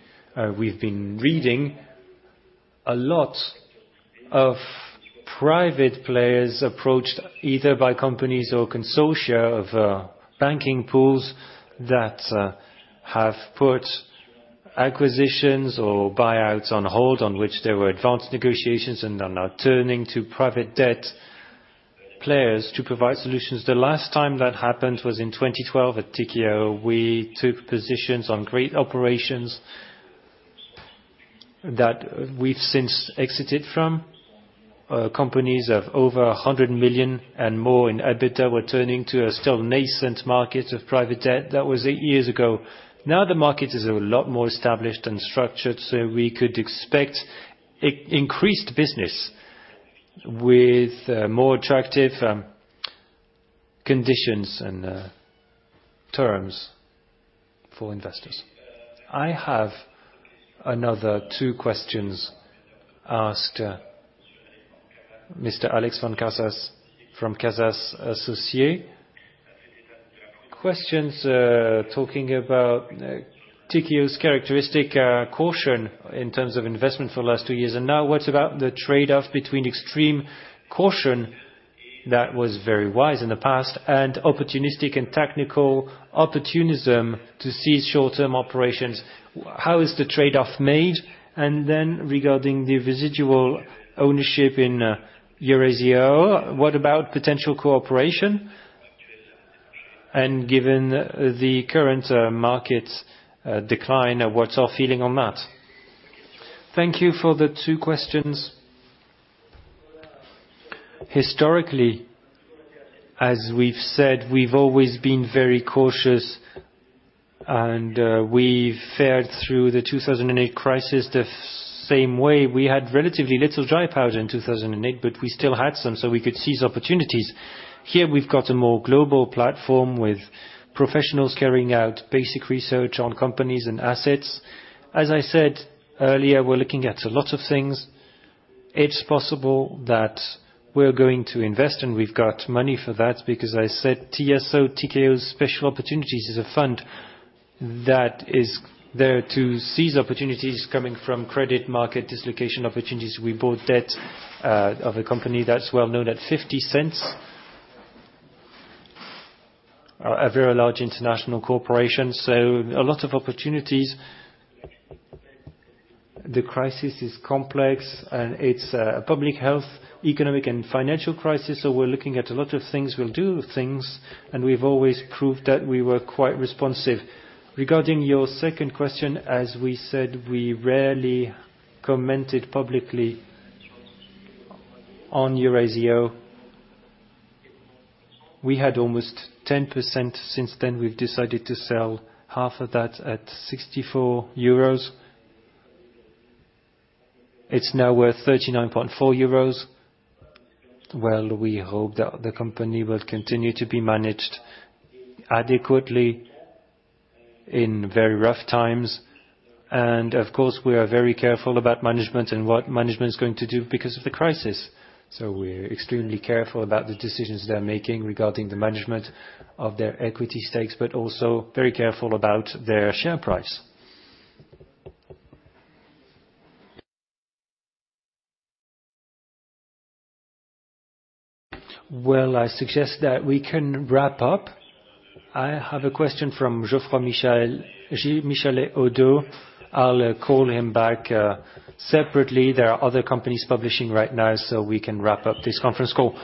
B: we've been reading a lot of private players approached either by companies or consortia of banking pools that have put acquisitions or buyouts on hold, on which there were advanced negotiations and are now turning to private debt players to provide solutions. The last time that happened was in 2012 at Tikehau, we took positions on great operations that we've since exited from. Companies of over 100 million and more in EBITDA were turning to a still nascent market of private debt. That was eight years ago. Now the market is a lot more established and structured, so we could expect increased business with more attractive conditions and terms for investors.
D: I have another two questions asked, Mr. Alex von Casas from Casas Associés. Questions talking about Tikehau's characteristic, caution in terms of investment for the last two years. Now what about the trade-off between extreme caution that was very wise in the past and opportunistic and technical opportunism to seize short-term operations? How is the trade-off made? Then regarding the residual ownership in Eurazeo, what about potential cooperation? Given the current market decline, what's our feeling on that?
A: Thank you for the two questions. Historically, as we've said, we've always been very cautious and we've fared through the 2008 crisis the same way. We had relatively little dry powder in 2008, but we still had some so we could seize opportunities. Here we've got a more global platform with professionals carrying out basic research on companies and assets. As I said earlier, we're looking at a lot of things. It's possible that we're going to invest, and we've got money for that because I said TSO, Tikehau Special Opportunities is a fund that is there to seize opportunities coming from credit market dislocation opportunities. We bought debt of a company that's well-known at 0.50. A very large international corporation, so a lot of opportunities. The crisis is complex, and it's a public health, economic, and financial crisis. We're looking at a lot of things. We'll do things, and we've always proved that we were quite responsive. Regarding your second question, as we said, we rarely commented publicly on Eurazeo. We had almost 10%. Since then, we've decided to sell half of that at 64 euros. It's now worth 39.4 euros. Well, we hope that the company will continue to be managed adequately in very rough times. Of course, we are very careful about management and what management is going to do because of the crisis. We're extremely careful about the decisions they're making regarding the management of their equity stakes, but also very careful about their share price. I suggest that we can wrap up. I have a question from Geoffroy Michalet Oddo BHF. I'll call him back separately. There are other companies publishing right now, so we can wrap up this conference call.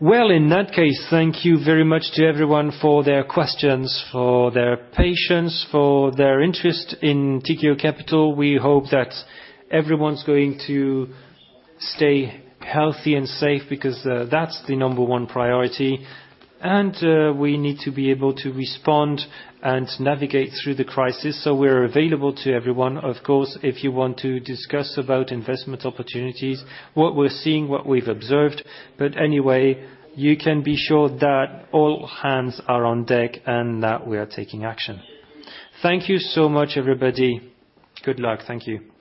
A: In that case, thank you very much to everyone for their questions, for their patience, for their interest in Tikehau Capital. We hope that everyone's going to stay healthy and safe because, that's the number one priority. We need to be able to respond and navigate through the crisis. We're available to everyone. If you want to discuss about investment opportunities, what we're seeing, what we've observed. Anyway, you can be sure that all hands are on deck and that we are taking action. Thank you so much, everybody. Good luck. Thank you.